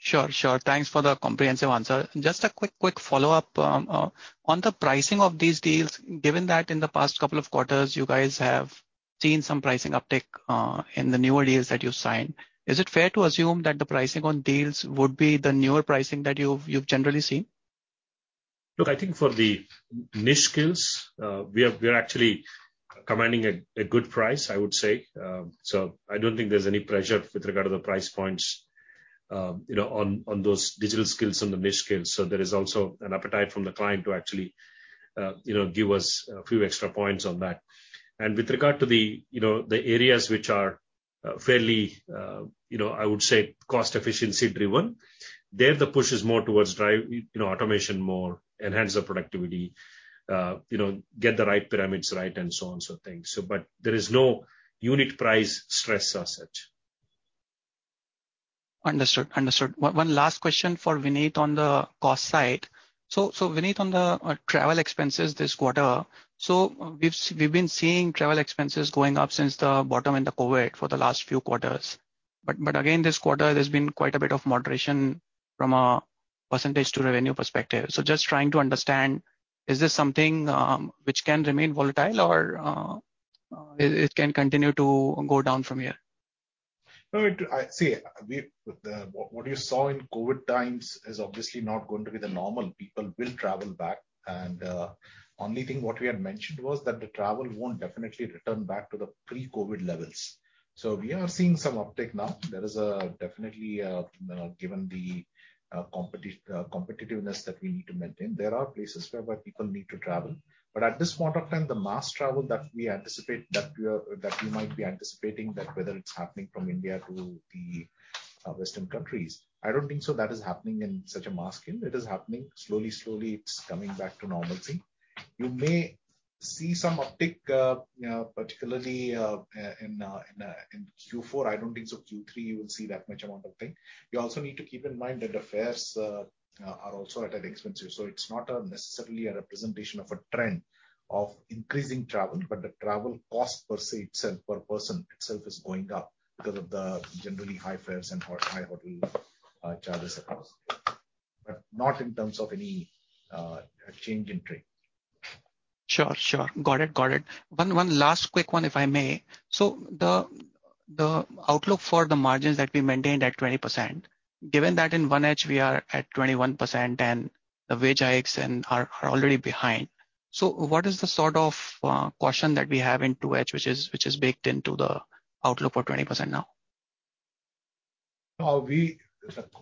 I: Sure. Thanks for the comprehensive answer. Just a quick follow-up on the pricing of these deals. Given that in the past couple of quarters you guys have seen some pricing uptick in the newer deals that you signed, is it fair to assume that the pricing on deals would be the newer pricing that you've generally seen?
E: Look, I think for the niche skills, we are actually commanding a good price, I would say. I don't think there's any pressure with regard to the price points, on those digital skills and the niche skills. There is also an appetite from the client to actually, give us a few extra points on that. With regard to the, the areas which are, fairly, I would say cost efficiency driven, there the push is more towards automation more, enhance the productivity, get the right parameters right, and so on, so things. There is no unit price stress as such.
I: Understood. One last question for Vinit on the cost side. Vinit on the travel expenses this quarter, we've been seeing travel expenses going up since the bottom in the COVID for the last few quarters. But again, this quarter there's been quite a bit of moderation from a percentage to revenue perspective. Just trying to understand, is this something which can remain volatile or it can continue to go down from here.
C: See, what you saw in COVID times is obviously not going to be the normal. People will travel back and only thing what we had mentioned was that the travel won't definitely return back to the pre-COVID levels. So we are seeing some uptick now. There is definitely given the competitiveness that we need to maintain, there are places whereby people need to travel. But at this point of time, the mass travel that we anticipate whether it's happening from India to the Western countries, I don't think so that is happening in such a mass scale. It is happening slowly it's coming back to normalcy. You may see some uptick particularly in Q4. I don't think so. Q3 you will see that much amount of thing. You also need to keep in mind that the fares are also at an expensive. It's not necessarily a representation of a trend of increasing travel, but the travel cost per se itself, per person itself is going up because of the generally high fares and high hotel charges across. Not in terms of any change in trend.
I: Sure. Got it. One last quick one, if I may. The outlook for the margins that we maintained at 20%, given that in 1H we are at 21% and the wage hikes are already behind, so what is the sort of caution that we have in 2H which is baked into the outlook for 20% now?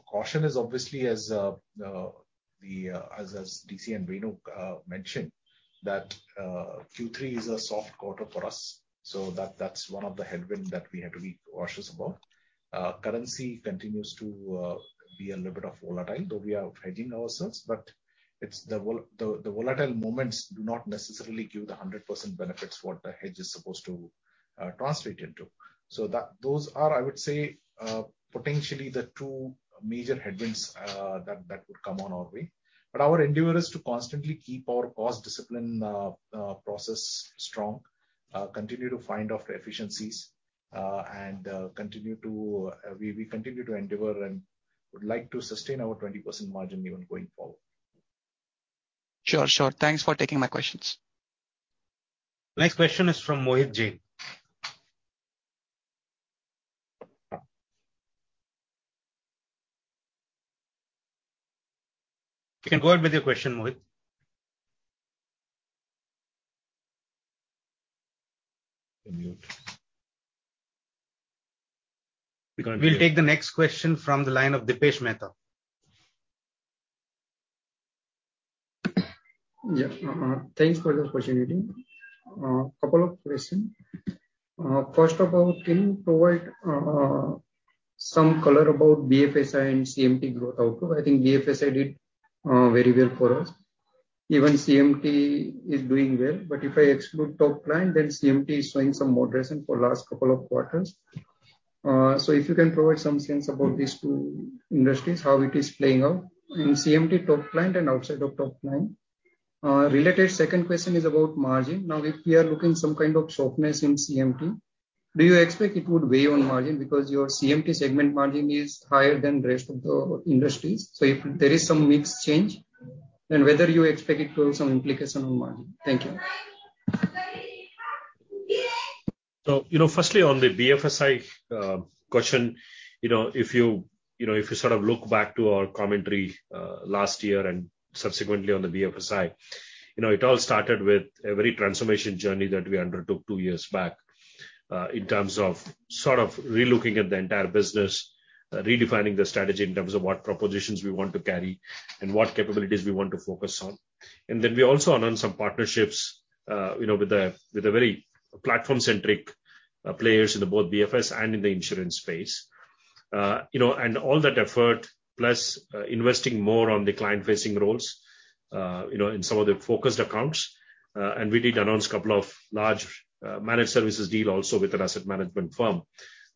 C: Caution is obviously, as DC and Venu mentioned, Q3 is a soft quarter for us, so that's one of the headwind that we had to be cautious about. Currency continues to be a little bit volatile, though we are hedging ourselves, but the volatile moments do not necessarily give the 100% benefits what the hedge is supposed to translate into. Those are, I would say, potentially the two major headwinds that would come on our way. Our endeavor is to constantly keep our cost discipline, process strong, continue to find out the efficiencies, and we continue to endeavor and would like to sustain our 20% margin even going forward.
I: Sure, sure. Thanks for taking my questions.
A: Next question is from Mohit Jain. You can go ahead with your question, Mohit. We'll take the next question from the line of Deepesh Mehta.
J: Yeah. Thanks for the opportunity. Couple of question. First of all, can you provide some color about BFSI and CMT growth outlook? I think BFSI did very well for us. Even CMT is doing well, but if I exclude top client, then CMT is showing some moderation for last couple of quarters. So if you can provide some sense about these two industries, how it is playing out in CMT top client and outside of top client. Related second question is about margin. Now, if we are looking some kind of sharpness in CMT, do you expect it would weigh on margin? Because your CMT segment margin is higher than rest of the industries, so if there is some mix change, then whether you expect it to have some implication on margin. Thank you.
E: Firstly, on the BFSI question, if sort of look back to our commentary last year and subsequently on the BFSI, it all started with a very transformation journey that we undertook two years back, in terms of sort of relooking at the entire business, redefining the strategy in terms of what propositions we want to carry and what capabilities we want to focus on. Then we also announced some partnerships, with the very platform-centric players in both BFS and in the insurance space. You know, all that effort plus investing more on the client-facing roles, in some of the focused accounts, and we did announce couple of large managed services deal also with an asset management firm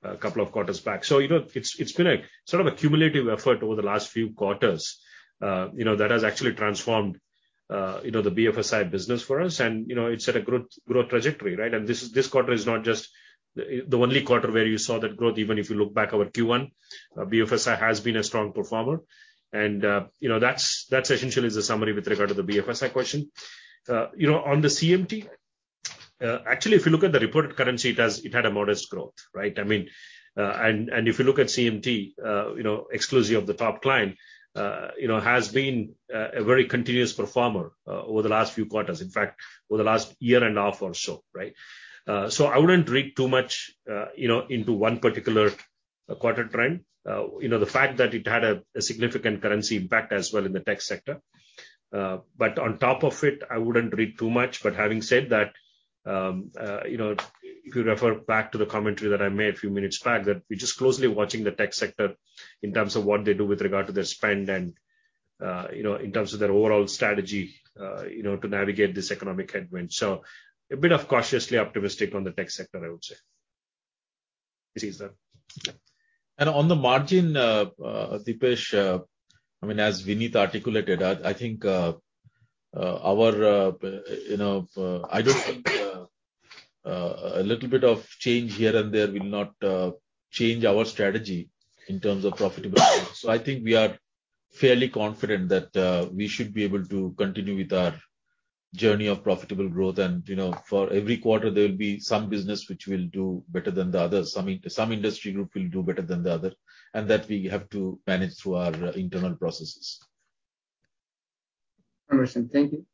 E: a couple of quarters back. You know, it's been a sort of a cumulative effort over the last few quarters, that has actually transformed, the BFSI business for us and, it set a good growth trajectory, right? This quarter is not just the only quarter where you saw that growth. Even if you look back our Q1, BFSI has been a strong performer and, that's essentially is the summary with regard to the BFSI question. You know, on the CMT, actually, if you look at the reported currency, it had a modest growth, right? I mean, and if you look at CMT, exclusive of the top client, has been a very continuous performer over the last few quarters. In fact, over the last year and a half or so, right? I wouldn't read too much, into one particular quarter trend. You know, the fact that it had a significant currency impact as well in the tech sector. On top of it, I wouldn't read too much. Having said that, if you refer back to the commentary that I made a few minutes back, that we're just closely watching the tech sector in terms of what they do with regard to their spend and, in terms of their overall strategy, to navigate this economic headwind. A bit of cautiously optimistic on the tech sector, I would say.
J: Yes, sir.
B: On the margin, Deepesh, I mean, as Vinit articulated, I think, I don't think a little bit of change here and there will not change our strategy in terms of profitability. I think we are- Fairly confident that we should be able to continue with our journey of profitable growth. You know, for every quarter there will be some business which will do better than the others. Some industry group will do better than the other, and that we have to manage through our internal processes.
K: Thank you.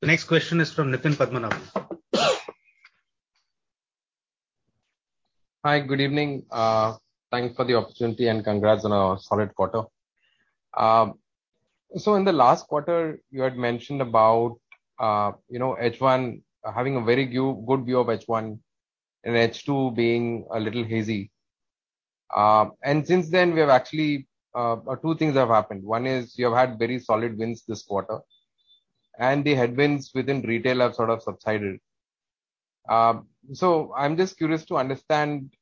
A: The next question is from Nitin Padmanabhan.
K: Hi, good evening. Thank you for the opportunity and congrats on a solid quarter. In the last quarter you had mentioned about, you know, H1, having a very good view of H1 and H2 being a little hazy. Since then we have actually two things have happened. One is you have had very solid wins this quarter and the headwinds within retail have sort of subsided. I'm just curious to understand,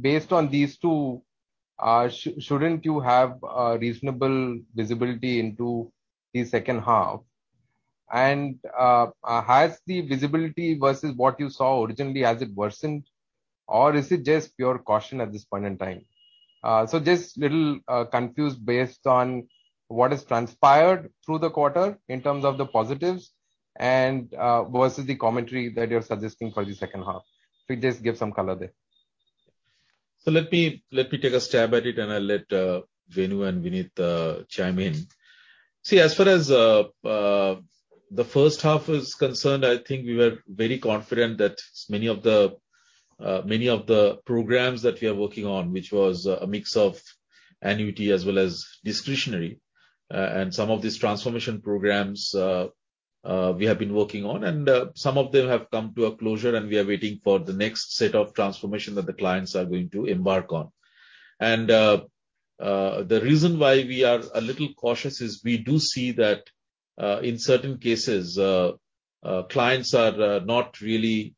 K: based on these two, shouldn't you have reasonable visibility into the second half? Has the visibility versus what you saw originally, has it worsened or is it just pure caution at this point in time? Just a little confused based on what has transpired through the quarter in terms of the positives and versus the commentary that you're suggesting for the second half. If you just give some color there.
B: Let me take a stab at it and I'll let Venu and Vinit chime in. See, as far as the first half is concerned, I think we were very confident that many of the programs that we are working on, which was a mix of annuity as well as discretionary, and some of these transformation programs we have been working on and some of them have come to a closure and we are waiting for the next set of transformation that the clients are going to embark on. The reason why we are a little cautious is we do see that in certain cases clients are not really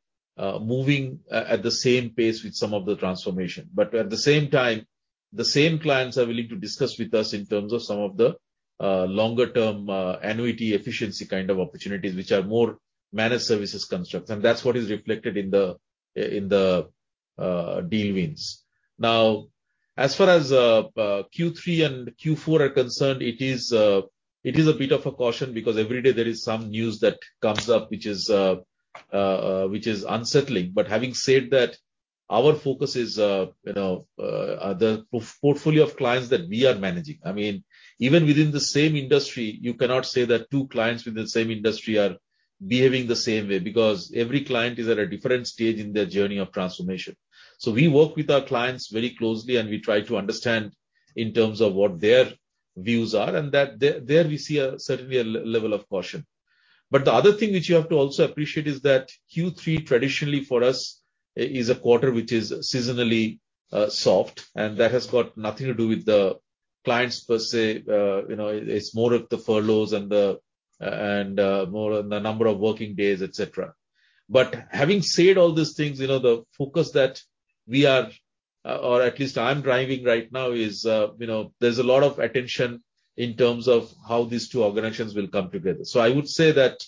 B: moving at the same pace with some of the transformation. At the same time, the same clients are willing to discuss with us in terms of some of the longer term annuity efficiency kind of opportunities which are more managed services constructs. That's what is reflected in the deal wins. Now, as far as Q3 and Q4 are concerned it is a bit of a caution because every day there is some news that comes up which is unsettling. Having said that, our focus is, you know, the portfolio of clients that we are managing. I mean, even within the same industry, you cannot say that two clients within the same industry are behaving the same way because every client is at a different stage in their journey of transformation. We work with our clients very closely and we try to understand in terms of what their views are, and that there we see a certain level of caution. The other thing which you have to also appreciate is that Q3 traditionally for us is a quarter which is seasonally soft. That has got nothing to do with the clients per se. You know, it's more of the furloughs and more on the number of working days, et cetera. Having said all these things, you know, the focus that we are, or at least I'm driving right now is, you know, there's a lot of attention in terms of how these two organizations will come together. I would say that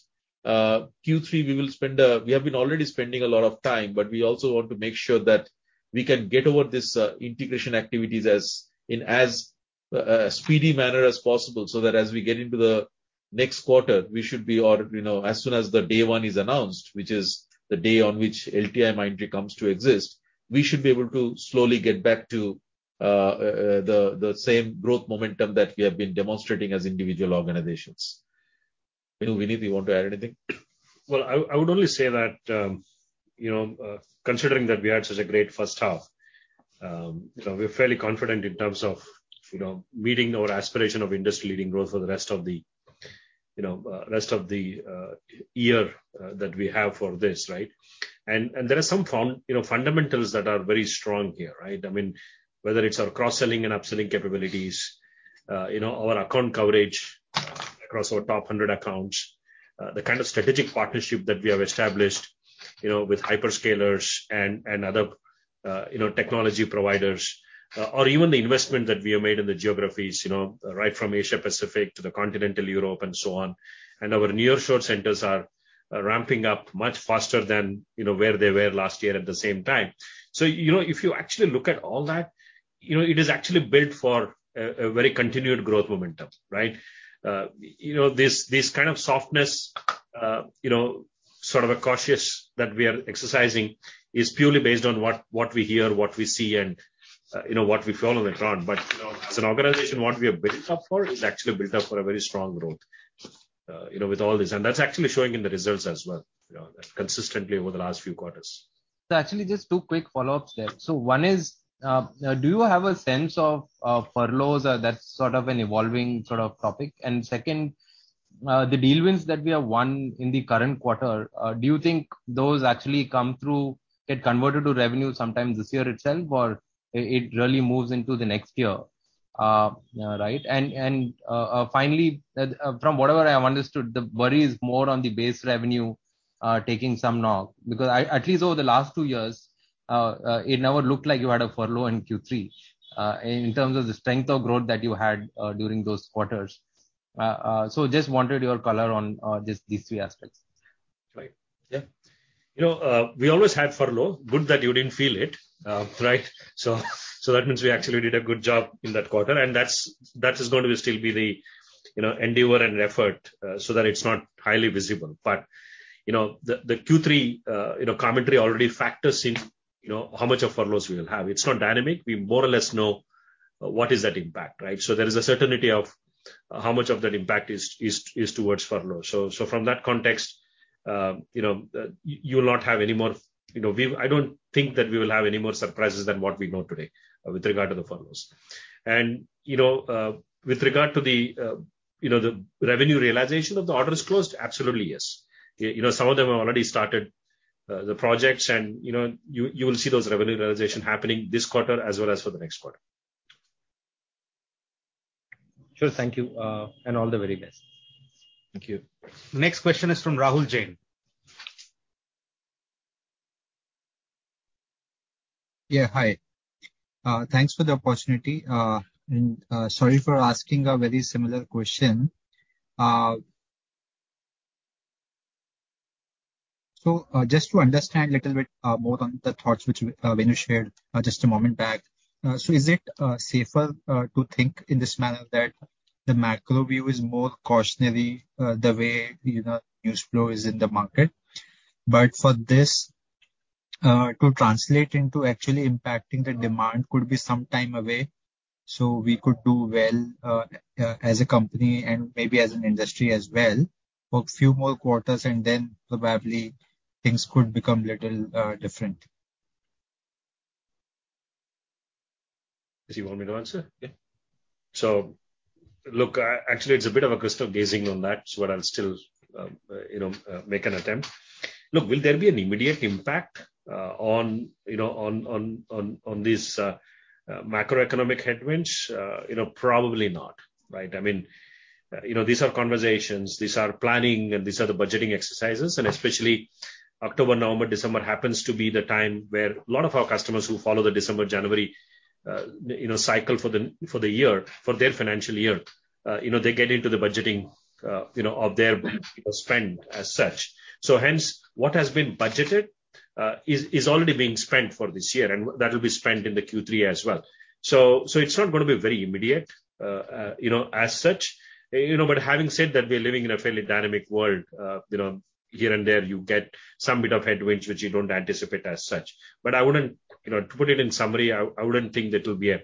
B: Q3 we will spend. We have been already spending a lot of time, but we also want to make sure that we can get over this integration activities in as speedy manner as possible, so that as we get into the next quarter, we should be, you know, as soon as the day one is announced, which is the day on which LTIMindtree comes to exist, we should be able to slowly get back to the same growth momentum that we have been demonstrating as individual organizations. Venu, Vinit, you want to add anything?
E: Well, I would only say that, considering that we had such a great first half, we're fairly confident in terms of, meeting our aspiration of industry leading growth for the rest of the year that we have for this, right? There are some fundamentals that are very strong here, right? I mean, whether it's our cross-selling and upselling capabilities, our account coverage across our top 100 accounts, the kind of strategic partnership that we have established, with hyperscalers and other, technology providers, or even the investment that we have made in the geographies, right from Asia Pacific to the Continental Europe and so on. Our nearshore centers are ramping up much faster than, where they were last year at the same time. If you actually look at all that, it is actually built for a very continued growth momentum, right? You know, this kind of softness, sort of a cautious that we are exercising is purely based on what we hear, what we see, and, what we feel on the ground. You know, as an organization, what we have built up for is actually built up for a very strong growth, with all this. That's actually showing in the results as well, consistently over the last few quarters.
K: Actually, just two quick follow-ups there. One is, do you have a sense of furloughs? That's sort of an evolving sort of topic. Second, the deal wins that we have won in the current quarter, do you think those actually come through, get converted to revenue sometime this year itself, or it really moves into the next year? Right. Finally, from whatever I have understood, the worry is more on the base revenue taking some knock because at least over the last two years, it never looked like you had a furlough in Q3, in terms of the strength of growth that you had during those quarters. Just wanted your color on these three aspects.
B: Right. Yeah. You know, we always had furlough. Good that you didn't feel it, right? That means we actually did a good job in that quarter. That is gonna be still the, endeavor and effort, so that it's not highly visible. You know, the Q3, commentary already factors in, how much of furloughs we will have. It's not dynamic. We more or less know what is that impact, right? There is a certainty of how much of that impact is towards furlough. From that context, you will not have any more. You know, I don't think that we will have any more surprises than what we know today with regard to the furloughs. You know, with regard to the, the revenue realization of the orders closed, absolutely, yes. You know, some of them have already started the projects and, you will see those revenue realization happening this quarter as well as for the next quarter.
K: Sure. Thank you, and all the very best.
B: Thank you. Next question is from Rahul Jain.
L: Yeah, hi. Thanks for the opportunity. Sorry for asking a very similar question. Just to understand a little bit more on the thoughts which Venu shared just a moment back. Is it safer to think in this manner that the macro view is more cautionary, the way, news flow is in the market? For this to translate into actually impacting the demand could be some time away, so we could do well as a company and maybe as an industry as well for a few more quarters, and then probably things could become a little different.
B: Does he want me to answer? Yeah. Look, actually it's a bit of a crystal gazing on that, but I'll still, you know, make an attempt. Look, will there be an immediate impact on, you know, on these macroeconomic headwinds? You know, probably not, right? I mean, these are conversations, these are planning, and these are the budgeting exercises. Especially October, November, December happens to be the time where a lot of our customers who follow the December, January, cycle for the year, for their financial year, you know, they get into the budgeting, of their, spend as such. Hence, what has been budgeted is already being spent for this year, and that will be spent in the Q3 as well. It's not gonna be very immediate, you know, as such. You know, having said that, we are living in a fairly dynamic world. You know, here and there, you get some bit of headwinds which you don't anticipate as such. I wouldn't, To put it in summary, I wouldn't think that it'll be an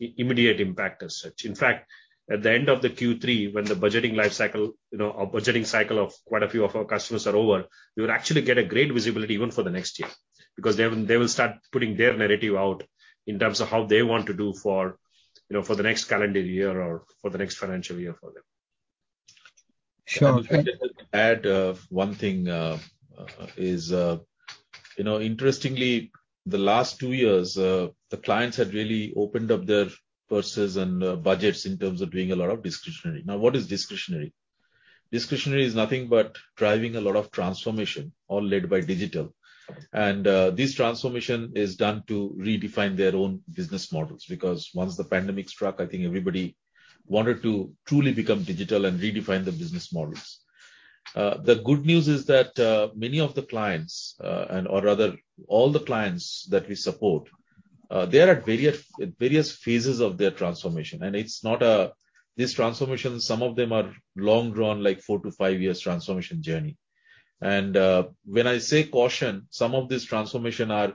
B: immediate impact as such. In fact, at the end of the Q3, when the budgeting life cycle, or budgeting cycle of quite a few of our customers are over, we would actually get a great visibility even for the next year. Because they will start putting their narrative out in terms of how they want to do for, for the next calendar year or for the next financial year for them.
L: Sure.
B: If I could just add one thing is, interestingly, the last 2 years, the clients had really opened up their purses and budgets in terms of doing a lot of discretionary. Now, what is discretionary? Discretionary is nothing but driving a lot of transformation, all led by digital. This transformation is done to redefine their own business models. Because once the pandemic struck, I think everybody wanted to truly become digital and redefine their business models. The good news is that many of the clients, or rather all the clients that we support, they are at various phases of their transformation. These transformations, some of them are long drawn, like 4-5 years transformation journey. When I say caution, some of these transformation are.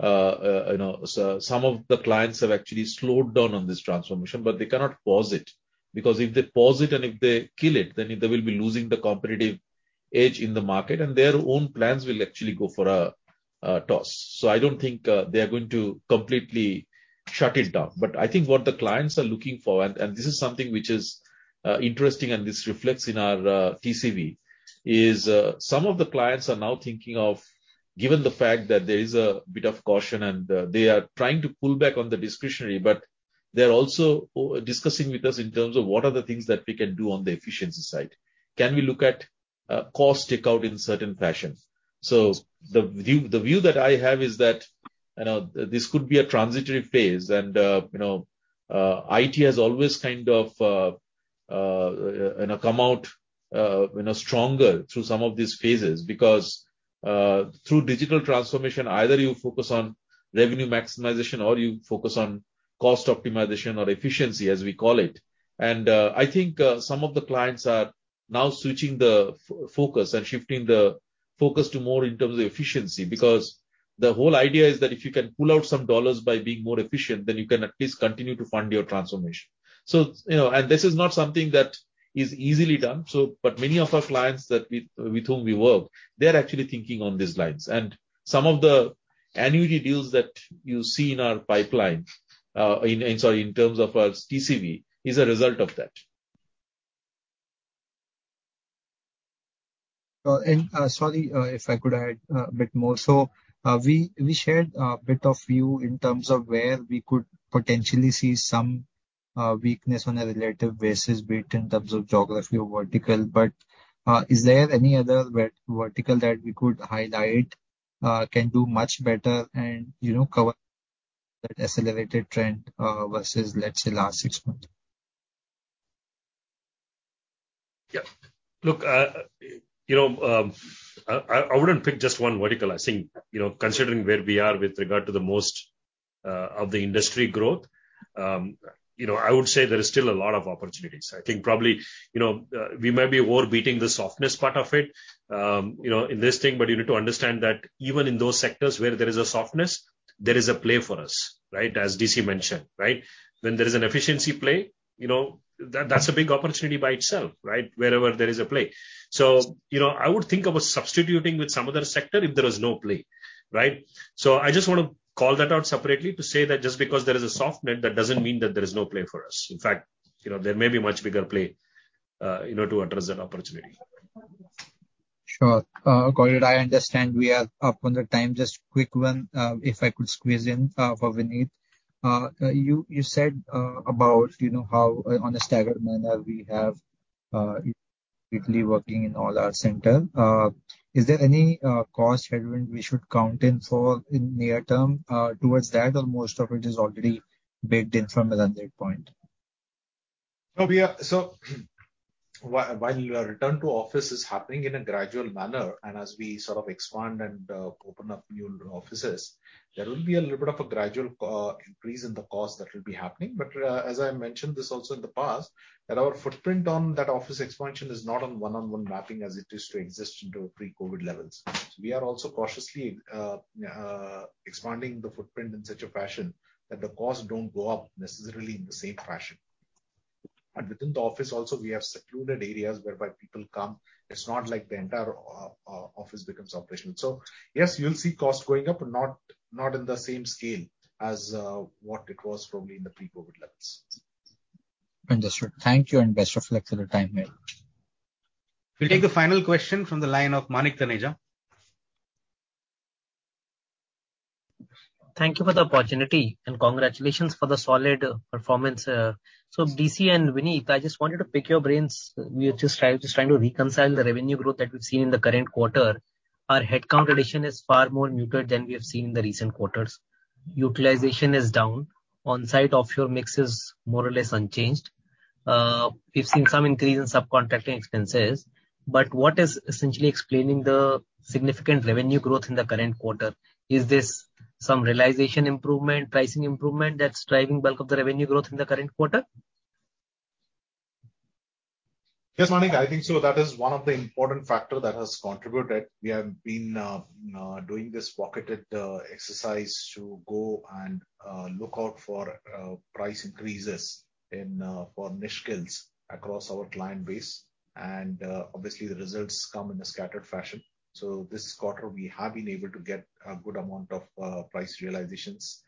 B: Some of the clients have actually slowed down on this transformation, but they cannot pause it. Because if they pause it and if they kill it, then they will be losing the competitive edge in the market, and their own plans will actually go for a toss. I don't think they are going to completely shut it down. I think what the clients are looking for, and this is something which is interesting and this reflects in our TCV, is some of the clients are now thinking of, given the fact that there is a bit of caution and they are trying to pull back on the discretionary, but they're also discussing with us in terms of what are the things that we can do on the efficiency side. Can we look at cost takeout in certain fashions? The view that I have is that this could be a transitory phase and IT has always kind of come out stronger through some of these phases. Because through digital transformation, either you focus on revenue maximization or you focus on cost optimization or efficiency, as we call it. I think some of the clients are now switching the focus and shifting the focus to more in terms of efficiency. Because the whole idea is that if you can pull out some dollars by being more efficient, then you can at least continue to fund your transformation. You know, this is not something that is easily done, but many of our clients that we, with whom we work, they're actually thinking on these lines. Some of the annuity deals that you see in our pipeline, in terms of TCV, is a result of that.
L: Sorry, if I could add a bit more. We shared a bit of view in terms of where we could potentially see some weakness on a relative basis, be it in terms of geography or vertical. Is there any other vertical that we could highlight, can do much better and, you know, cover the accelerated trend versus, let's say, last six months.
E: Yeah. Look, I wouldn't pick just one vertical. I think, considering where we are with regard to the most of the industry growth, I would say there is still a lot of opportunities. I think probably, we may be overstating the softness part of it, in this thing, but you need to understand that even in those sectors where there is a softness, there is a play for us, right? As DC mentioned, right? When there is an efficiency play, that's a big opportunity by itself, right? Wherever there is a play. You know, I would think about substituting with some other sector if there is no play, right? I just wanna call that out separately to say that just because there is a softness, that doesn't mean that there is no play for us. In fact, there may be much bigger play, to address that opportunity.
L: Sure. Gaurav, I understand we are up on the time. Just quick one, if I could squeeze in, for Vinit. You said about, how on a staggered manner we have weekly working in all our center. Is there any cost headroom we should count in for in near term towards that or most of it is already baked in from a run rate point?
C: No, while your return to office is happening in a gradual manner, and as we sort of expand and open up new offices, there will be a little bit of a gradual increase in the cost that will be happening. As I mentioned this also in the past, that our footprint on that office expansion is not on one-on-one mapping as it existed in pre-COVID levels. We are also cautiously expanding the footprint in such a fashion that the costs don't go up necessarily in the same fashion. Within the office also we have secluded areas whereby people come. It's not like the entire office becomes operational. Yes, you'll see costs going up, but not in the same scale as what it was probably in the pre-COVID levels.
L: Understood. Thank you and best of luck for the time being.
A: We'll take the final question from the line of Manik Taneja.
M: Thank you for the opportunity and congratulations for the solid performance. DC and Vinit, I just wanted to pick your brains. We are just trying to reconcile the revenue growth that we've seen in the current quarter. Our headcount addition is far more muted than we have seen in the recent quarters. Utilization is down. Onsite, offshore mix is more or less unchanged. We've seen some increase in subcontracting expenses, but what is essentially explaining the significant revenue growth in the current quarter? Is this some realization improvement, pricing improvement that's driving bulk of the revenue growth in the current quarter?
C: Yes, Manik, I think so. That is one of the important factor that has contributed. We have been doing this targeted exercise to go and look out for price increases in for niche skills across our client base. Obviously the results come in a scattered fashion. This quarter we have been able to get a good amount of price realizations.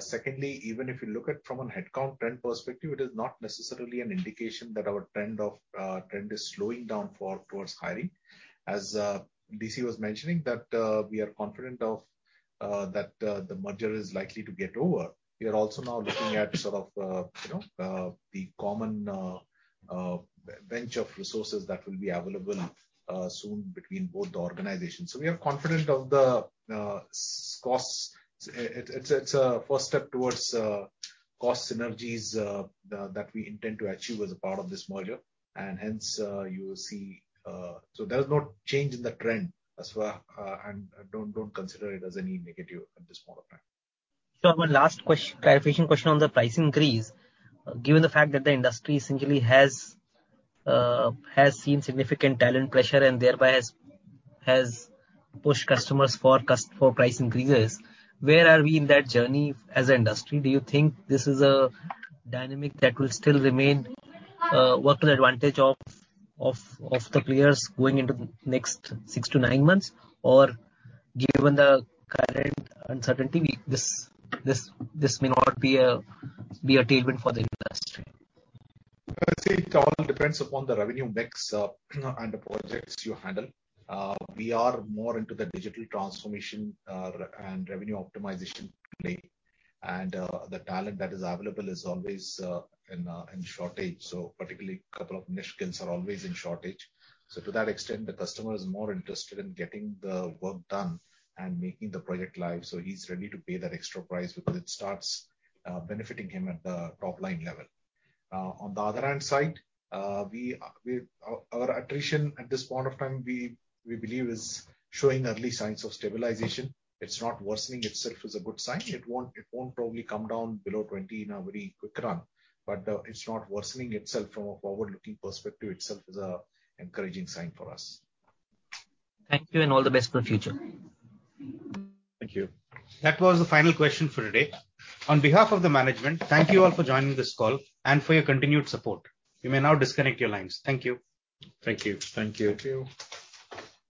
C: Secondly, even if you look at from a headcount trend perspective, it is not necessarily an indication that our trend is slowing down for towards hiring. As DC was mentioning that we are confident of that the merger is likely to get over. We are also now looking at sort of you know the common bench of resources that will be available soon between both the organizations. We are confident of the costs. It's a first step towards cost synergies that we intend to achieve as a part of this merger and hence you will see so there is no change in the trend as well and don't consider it as any negative at this point of time.
M: Sir, one last clarification question on the price increase. Given the fact that the industry essentially has seen significant talent pressure and thereby has pushed customers for price increases, where are we in that journey as an industry? Do you think this is a dynamic that will still remain to work to the advantage of the players going into the next six to nine months? Or given the current uncertainty, this may not be a tailwind for the industry.
C: I'd say it all depends upon the revenue mix, and the projects you handle. We are more into the digital transformation, and revenue optimization play. The talent that is available is always in shortage. Particularly couple of niche skills are always in shortage. To that extent, the customer is more interested in getting the work done and making the project live, so he's ready to pay that extra price because it starts benefiting him at the top line level. On the other hand side, our attrition at this point of time, we believe, is showing early signs of stabilization. It's not worsening. Itself is a good sign. It won't probably come down below 20 in a very quick run, but it's not worsening itself from a forward-looking perspective itself is a encouraging sign for us.
M: Thank you and all the best for future.
C: Thank you.
A: That was the final question for today. On behalf of the management, thank you all for joining this call and for your continued support. You may now disconnect your lines. Thank you.
C: Thank you.
E: Thank you.
B: Thank you.